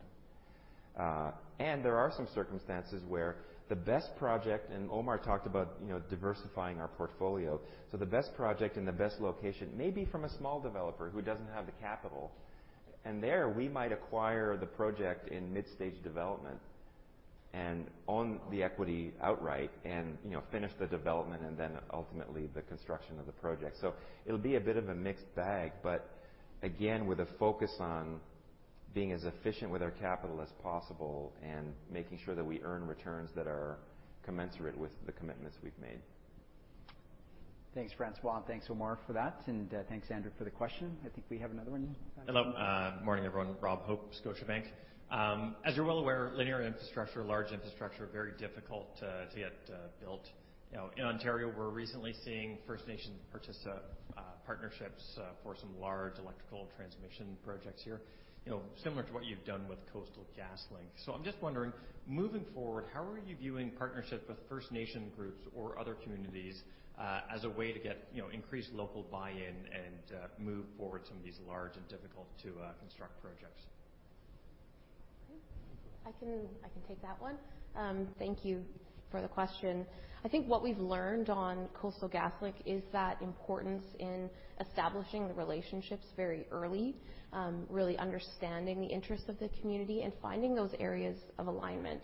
There are some circumstances where the best project, and Omar talked about, you know, diversifying our portfolio. The best project and the best location may be from a small developer who doesn't have the capital, and there we might acquire the project in mid-stage development and own the equity outright and, you know, finish the development and then ultimately the construction of the project. It'll be a bit of a mixed bag, but again, with a focus on being as efficient with our capital as possible and making sure that we earn returns that are commensurate with the commitments we've made. Thanks, François, and thanks, Omar, for that, and thanks, Andrew, for the question. I think we have another one. Hello. Morning, everyone. Robert Hope, Scotiabank. As you're well aware, linear infrastructure, large infrastructure, very difficult to get built. You know, in Ontario, we're recently seeing First Nation partnerships for some large electrical transmission projects here. You know, similar to what you've done with Coastal GasLink. I'm just wondering, moving forward, how are you viewing partnership with First Nation groups or other communities as a way to get, you know, increased local buy-in and move forward some of these large and difficult to construct projects? I can take that one. Thank you for the question. I think what we've learned on Coastal GasLink is the importance in establishing the relationships very early, really understanding the interests of the community and finding those areas of alignment.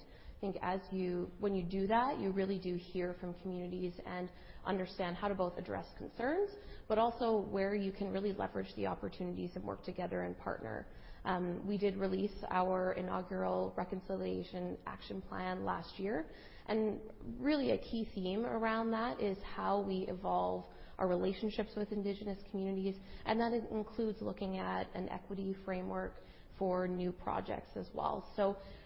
When you do that, you really do hear from communities and understand how to both address concerns, but also where you can really leverage the opportunities and work together and partner. We did release our inaugural Reconciliation Action Plan last year, and really a key theme around that is how we evolve our relationships with Indigenous communities, and that includes looking at an equity framework for new projects as well.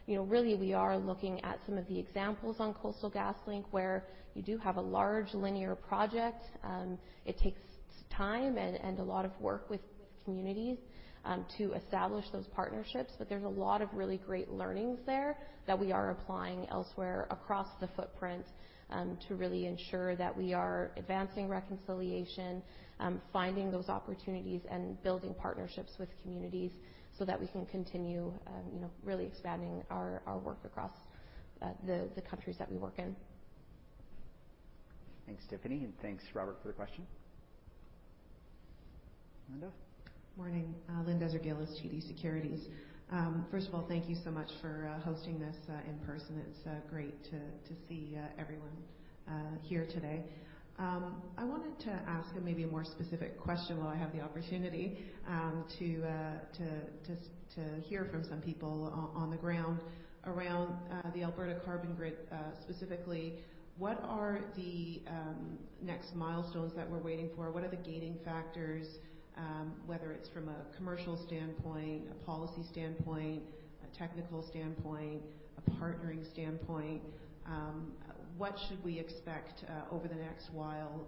You know, really we are looking at some of the examples on Coastal GasLink, where you do have a large linear project. It takes time and a lot of work with communities to establish those partnerships. There's a lot of really great learnings there that we are applying elsewhere across the footprint to really ensure that we are advancing reconciliation, finding those opportunities and building partnerships with communities so that we can continue, you know, really expanding our work across the countries that we work in. Thanks, Tiffany, and thanks, Robert, for the question. Linda. Morning. Linda Ezergailis, TD Securities. First of all, thank you so much for hosting this in person. It's great to see everyone here today. I wanted to ask maybe a more specific question while I have the opportunity to hear from some people on the ground around the Alberta Carbon Grid. Specifically, what are the next milestones that we're waiting for? What are the key factors whether it's from a commercial standpoint, a policy standpoint, a technical standpoint, a partnering standpoint? What should we expect over the next while?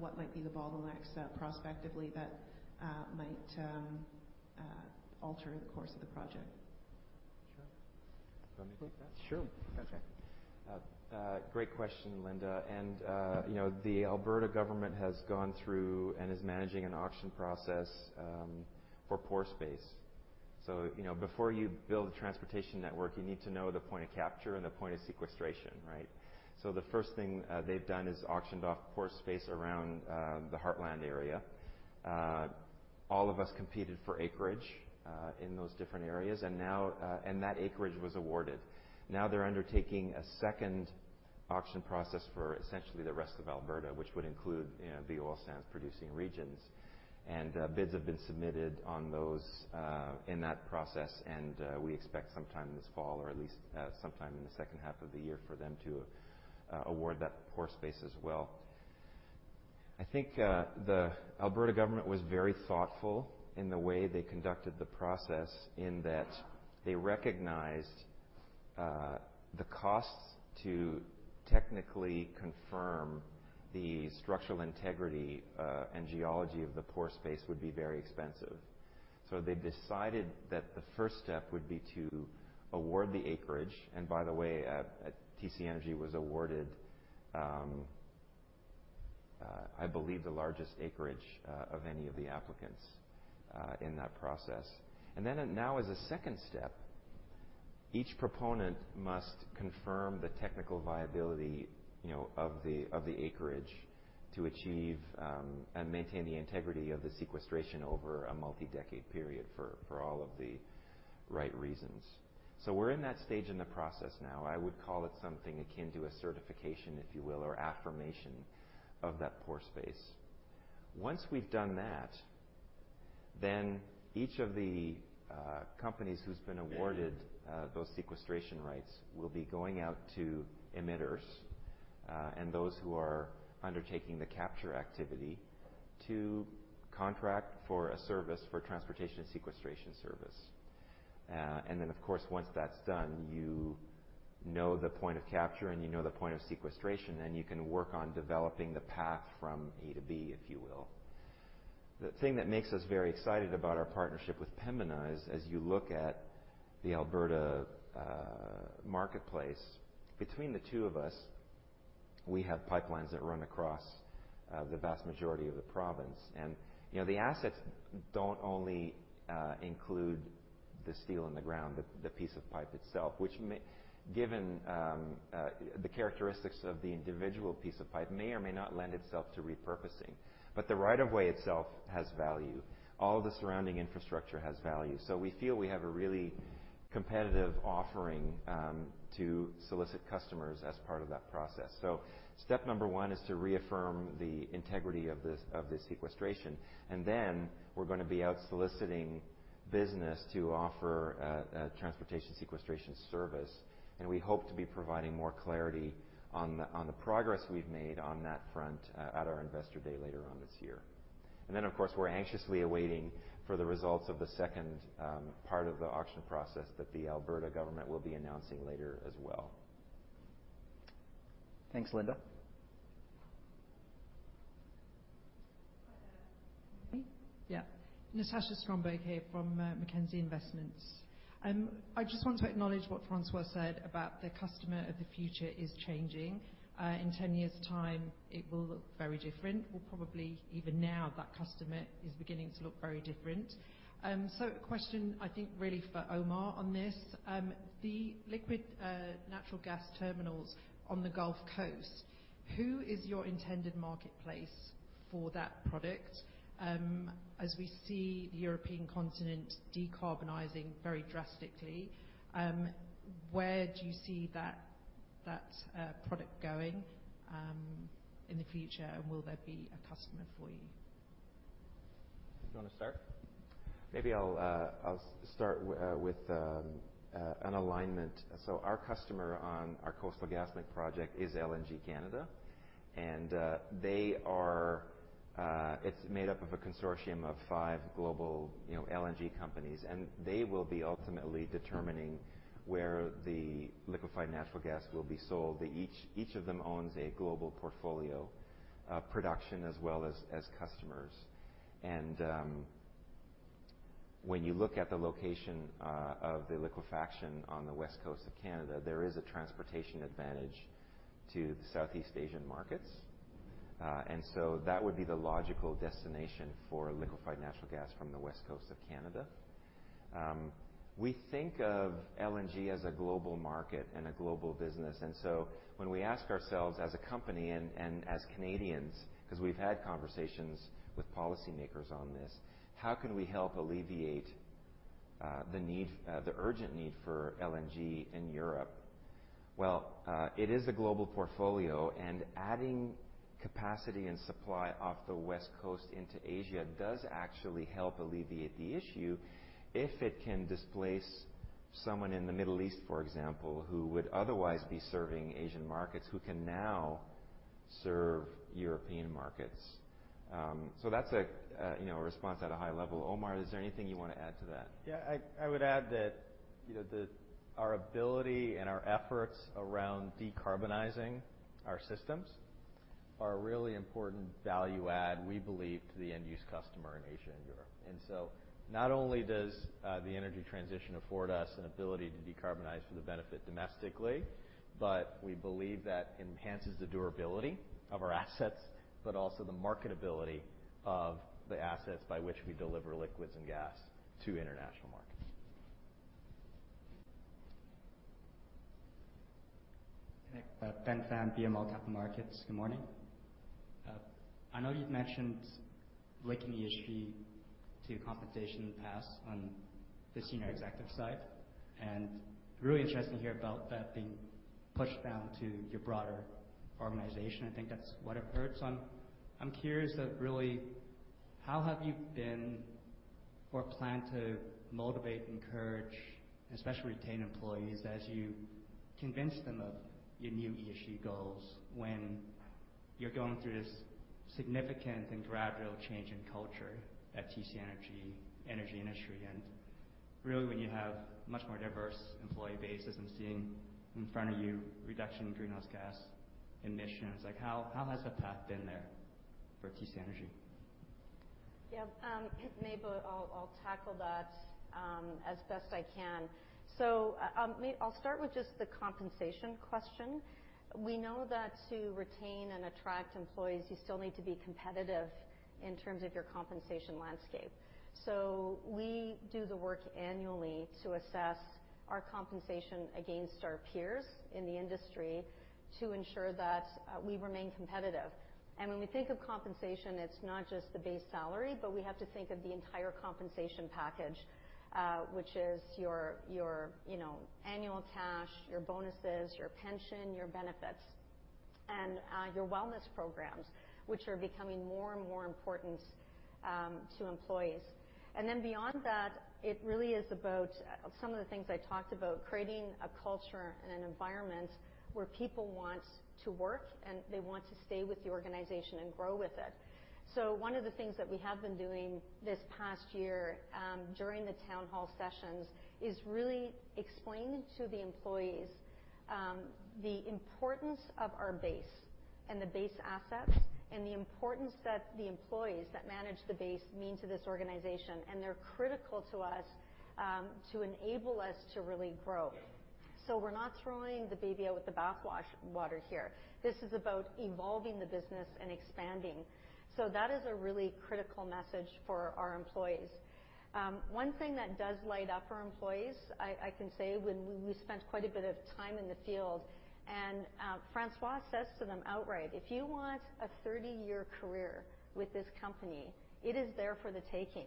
What might be the bottlenecks prospectively that might alter the course of the project? Sure. Do you want me to take that? Sure. Okay. Great question, Linda. You know, the Alberta government has gone through and is managing an auction process for pore space. You know, before you build a transportation network, you need to know the point of capture and the point of sequestration, right? The first thing they've done is auctioned off pore space around the Heartland area. All of us competed for acreage in those different areas, and now that acreage was awarded. Now they're undertaking a second auction process for essentially the rest of Alberta, which would include, you know, the oil sands-producing regions. Bids have been submitted on those in that process. We expect sometime this fall or at least sometime in the second half of the year for them to award that pore space as well. I think the Alberta government was very thoughtful in the way they conducted the process, in that they recognized the costs to technically confirm the structural integrity and geology of the pore space would be very expensive. They decided that the first step would be to award the acreage. By the way, TC Energy was awarded, I believe the largest acreage of any of the applicants in that process. Now as a second step, each proponent must confirm the technical viability, you know, of the acreage to achieve and maintain the integrity of the sequestration over a multi-decade period for all of the right reasons. We're in that stage in the process now. I would call it something akin to a certification, if you will, or affirmation of that pore space. Once we've done that, each of the companies who's been awarded those sequestration rights will be going out to emitters and those who are undertaking the capture activity to contract for a service for transportation and sequestration service. Of course, once that's done, you know the point of capture and you know the point of sequestration, then you can work on developing the path from A-B, if you will. The thing that makes us very excited about our partnership with Pembina is, as you look at the Alberta marketplace, between the two of us, we have pipelines that run across the vast majority of the province. You know, the assets don't only include the steel in the ground, the piece of pipe itself, which may. Given the characteristics of the individual piece of pipe may or may not lend itself to repurposing. The right of way itself has value. All of the surrounding infrastructure has value. We feel we have a really competitive offering to solicit customers as part of that process. Step number one is to reaffirm the integrity of the sequestration, and then we're gonna be out soliciting business to offer transportation sequestration service. We hope to be providing more clarity on the progress we've made on that front at our Investor Day later this year. Then, of course, we're anxiously awaiting the results of the second part of the auction process that the Alberta government will be announcing later as well. Thanks, Linda. Yeah. Natasha Stromberg here from Mackenzie Investments. I just want to acknowledge what François said about the customer of the future is changing. In 10 years time, it will look very different. Well, probably even now that customer is beginning to look very different. A question I think really for Omar on this. The liquefied natural gas terminals on the Gulf Coast, who is your intended marketplace for that product? As we see the European continent decarbonizing very drastically, where do you see that product going in the future, and will there be a customer for you? Do you wanna start? Maybe I'll start with an alignment. Our customer on our Coastal GasLink project is LNG Canada. It's made up of a consortium of five global LNG companies. They will be ultimately determining where the liquefied natural gas will be sold. Each of them owns a global portfolio production as well as customers. When you look at the location of the liquefaction on the West Coast of Canada, there is a transportation advantage to Southeast Asian markets. That would be the logical destination for liquefied natural gas from the West Coast of Canada. We think of LNG as a global market and a global business. When we ask ourselves as a company and as Canadians, 'cause we've had conversations with policymakers on this, how can we help alleviate the need, the urgent need for LNG in Europe? Well, it is a global portfolio, and adding capacity and supply off the West Coast into Asia does actually help alleviate the issue if it can displace someone in the Middle East, for example, who would otherwise be serving Asian markets who can now serve European markets. That's a you know, a response at a high level. Omar, is there anything you wanna add to that? Yeah. I would add that, you know, our ability and our efforts around decarbonizing our systems are a really important value add, we believe, to the end use customer in Asia and Europe. Not only does the energy transition afford us an ability to decarbonize for the benefit domestically, but we believe that enhances the durability of our assets, but also the marketability of the assets by which we deliver liquids and gas to international markets. Ben Pham, BMO Capital Markets. Good morning. I know you've mentioned linking ESG to compensation in the past on the senior executive side, and really interesting to hear about that being pushed down to your broader organization. I think that's what I've heard. I'm really curious about how have you been or plan to motivate, encourage, and especially retain employees as you convince them of your new ESG goals when you're going through this significant and gradual change in culture at TC Energy, energy industry? Really, when you have much more diverse employee base as I'm seeing in front of you, reduction in greenhouse gas emissions, like how has the path been there for TC Energy? Maybe I'll tackle that as best I can. I'll start with just the compensation question. We know that to retain and attract employees, you still need to be competitive in terms of your compensation landscape. We do the work annually to assess our compensation against our peers in the industry to ensure that we remain competitive. When we think of compensation, it's not just the base salary, but we have to think of the entire compensation package, which is your you know annual cash, your bonuses, your pension, your benefits, and your wellness programs, which are becoming more and more important to employees. Beyond that, it really is about some of the things I talked about, creating a culture and an environment where people want to work, and they want to stay with the organization and grow with it. One of the things that we have been doing this past year, during the town hall sessions, is really explaining to the employees, the importance of our base and the base assets and the importance that the employees that manage the base mean to this organization. They're critical to us, to enable us to really grow. We're not throwing the baby out with the bathwater here. This is about evolving the business and expanding. That is a really critical message for our employees. One thing that does light up our employees, I can say when we spent quite a bit of time in the field, and François says to them outright, "If you want a 30-year career with this company, it is there for the taking.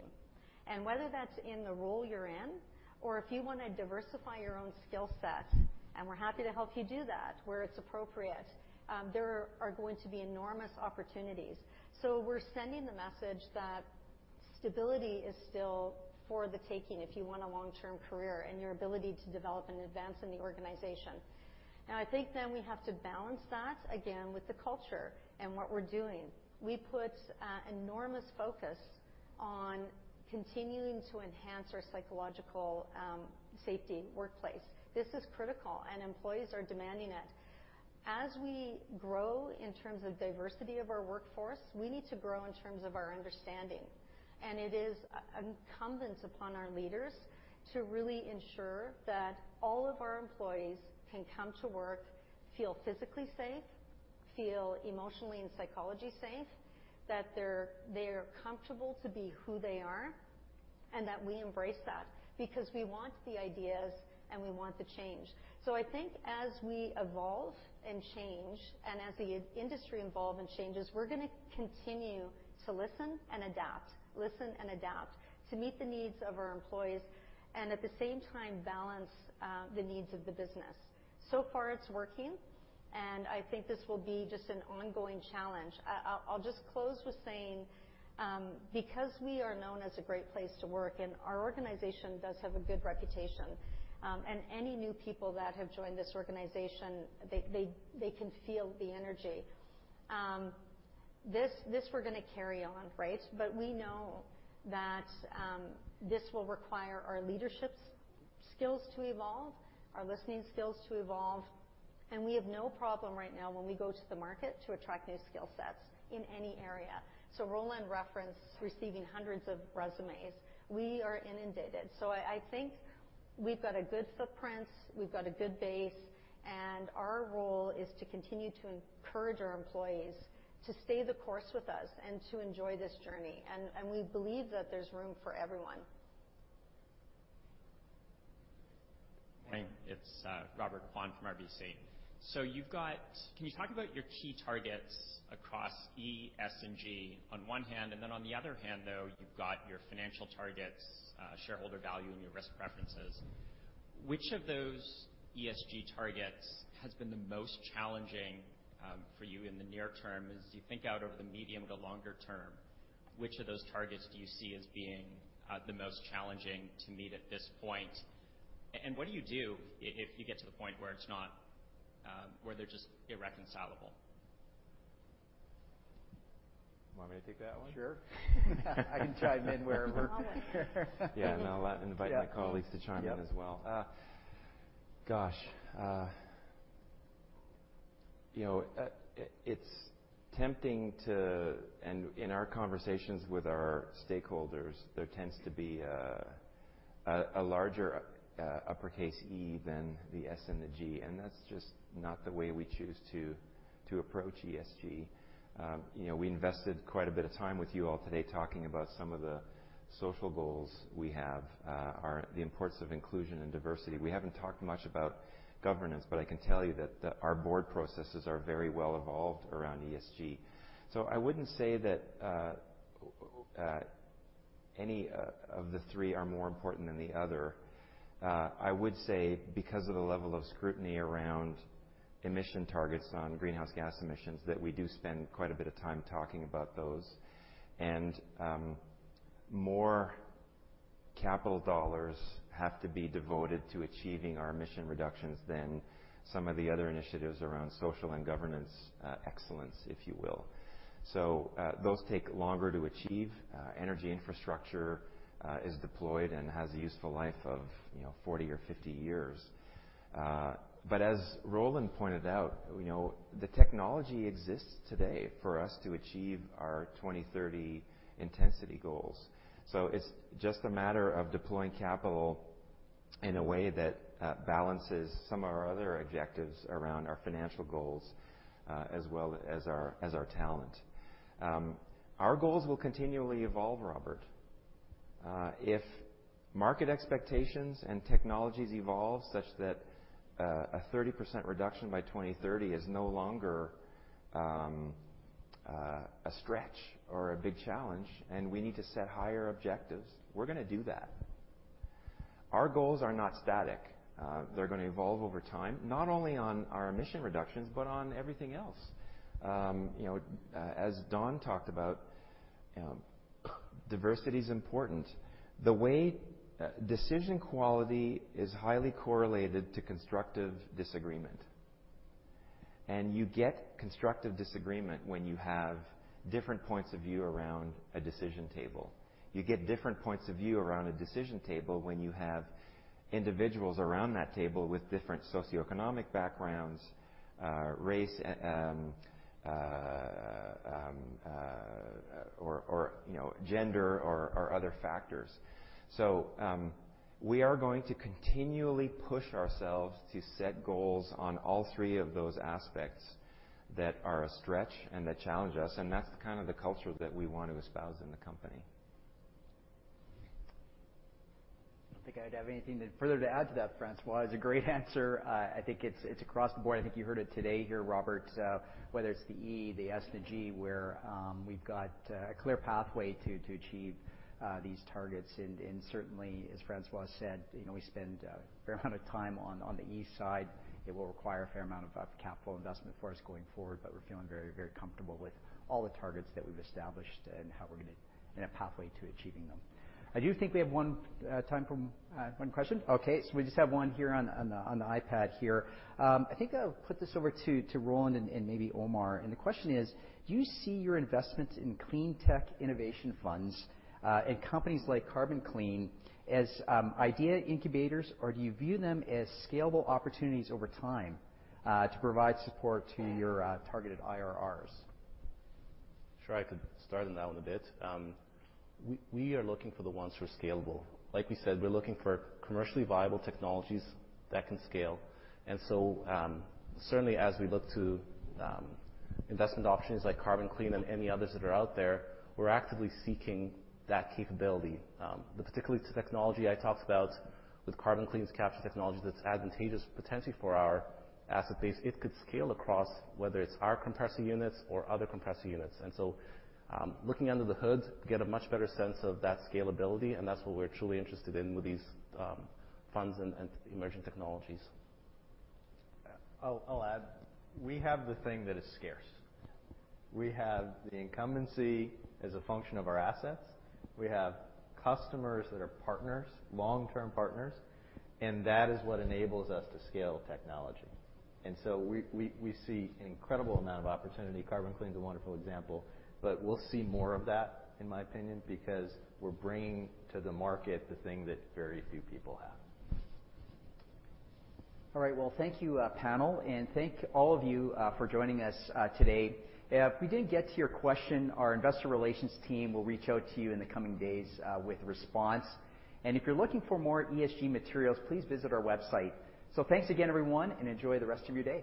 And whether that's in the role you're in or if you wanna diversify your own skill set, and we're happy to help you do that where it's appropriate, there are going to be enormous opportunities." We're sending the message that stability is still for the taking if you want a long-term career and your ability to develop and advance in the organization. Now I think then we have to balance that again with the culture and what we're doing. We put enormous focus on continuing to enhance our psychological safety workplace. This is critical, and employees are demanding it. As we grow in terms of diversity of our workforce, we need to grow in terms of our understanding. It is incumbent upon our leaders to really ensure that all of our employees can come to work, feel physically safe, feel emotionally and psychologically safe, that they're comfortable to be who they are, and that we embrace that because we want the ideas, and we want the change. I think as we evolve and change, and as the industry evolve and changes, we're gonna continue to listen and adapt to meet the needs of our employees and at the same time balance the needs of the business. So far it's working, and I think this will be just an ongoing challenge. I'll just close with saying, because we are known as a great place to work, and our organization does have a good reputation, and any new people that have joined this organization, they can feel the energy. We're gonna carry on, right? We know that this will require our leadership skills to evolve, our listening skills to evolve, and we have no problem right now when we go to the market to attract new skill sets in any area. Roland referenced receiving hundreds of resumes. We are inundated. I think we've got a good footprint, we've got a good base, and our role is to continue to encourage our employees to stay the course with us and to enjoy this journey. We believe that there's room for everyone. Hi, it's Robert Kwan from RBC. Can you talk about your key targets across E, S, and G on one hand? And then on the other hand, though, you've got your financial targets, shareholder value, and your risk preferences. Which of those ESG targets has been the most challenging for you in the near term? As you think out over the medium to longer term, which of those targets do you see as being the most challenging to meet at this point? And what do you do if you get to the point where it's not where they're just irreconcilable? You want me to take that one? Sure. I can chime in wherever. Yeah. I'll invite my colleagues to chime in as well. In our conversations with our stakeholders, there tends to be a larger uppercase E than the S and the G, and that's just not the way we choose to approach ESG. We invested quite a bit of time with you all today talking about some of the social goals we have, the importance of inclusion and diversity. We haven't talked much about governance, but I can tell you that our board processes are very well evolved around ESG. I wouldn't say that any of the three are more important than the other. I would say because of the level of scrutiny around emission targets on greenhouse gas emissions that we do spend quite a bit of time talking about those. More capital dollars have to be devoted to achieving our emission reductions than some of the other initiatives around social and governance excellence, if you will. Those take longer to achieve. Energy infrastructure is deployed and has a useful life of, you know, 40 or 50 years. As Roland pointed out, you know, the technology exists today for us to achieve our 2030 intensity goals. It's just a matter of deploying capital in a way that balances some of our other objectives around our financial goals, as well as our talent. Our goals will continually evolve, Robert. If market expectations and technologies evolve such that a 30% reduction by 2030 is no longer a stretch or a big challenge, and we need to set higher objectives, we're gonna do that. Our goals are not static. They're gonna evolve over time, not only on our emission reductions, but on everything else. You know, as Dawn talked about, diversity is important. The way decision quality is highly correlated to constructive disagreement. You get constructive disagreement when you have different points of view around a decision table. You get different points of view around a decision table when you have individuals around that table with different socioeconomic backgrounds, race, or, you know, gender or other factors. We are going to continually push ourselves to set goals on all three of those aspects that are a stretch and that challenge us, and that's kind of the culture that we want to espouse in the company. I don't think I'd have anything further to add to that, François. It's a great answer. I think it's across the board. I think you heard it today here, Robert, whether it's the E, the S, the G, where we've got a clear pathway to achieve these targets. Certainly, as François said, you know, we spend a fair amount of time on the E side. It will require a fair amount of capital investment for us going forward, but we're feeling very comfortable with all the targets that we've established and how we're gonna in a pathway to achieving them. I do think we have one time for one question. Okay, we just have one here on the iPad here. I think I'll put this over to Roland and maybe Omar. The question is: do you see your investments in clean tech innovation funds and companies like Carbon Clean as idea incubators, or do you view them as scalable opportunities over time to provide support to your targeted IRRs? Sure. I could start on that one a bit. We are looking for the ones who are scalable. Like we said, we're looking for commercially viable technologies that can scale. Certainly, as we look to investment options like Carbon Clean and any others that are out there, we're actively seeking that capability. But particularly to technology I talked about with Carbon Clean's capture technology that's advantageous potentially for our asset base, it could scale across whether it's our compressor units or other compressor units. Looking under the hood, get a much better sense of that scalability, and that's what we're truly interested in with these funds and emerging technologies. I'll add. We have the thing that is scarce. We have the incumbency as a function of our assets. We have customers that are partners, long-term partners, and that is what enables us to scale technology. We see an incredible amount of opportunity. Carbon Clean is a wonderful example, but we'll see more of that, in my opinion, because we're bringing to the market the thing that very few people have. All right. Well, thank you, panel, and thank all of you, for joining us, today. If we didn't get to your question, our investor relations team will reach out to you in the coming days, with a response. If you're looking for more ESG materials, please visit our website. Thanks again, everyone, and enjoy the rest of your day.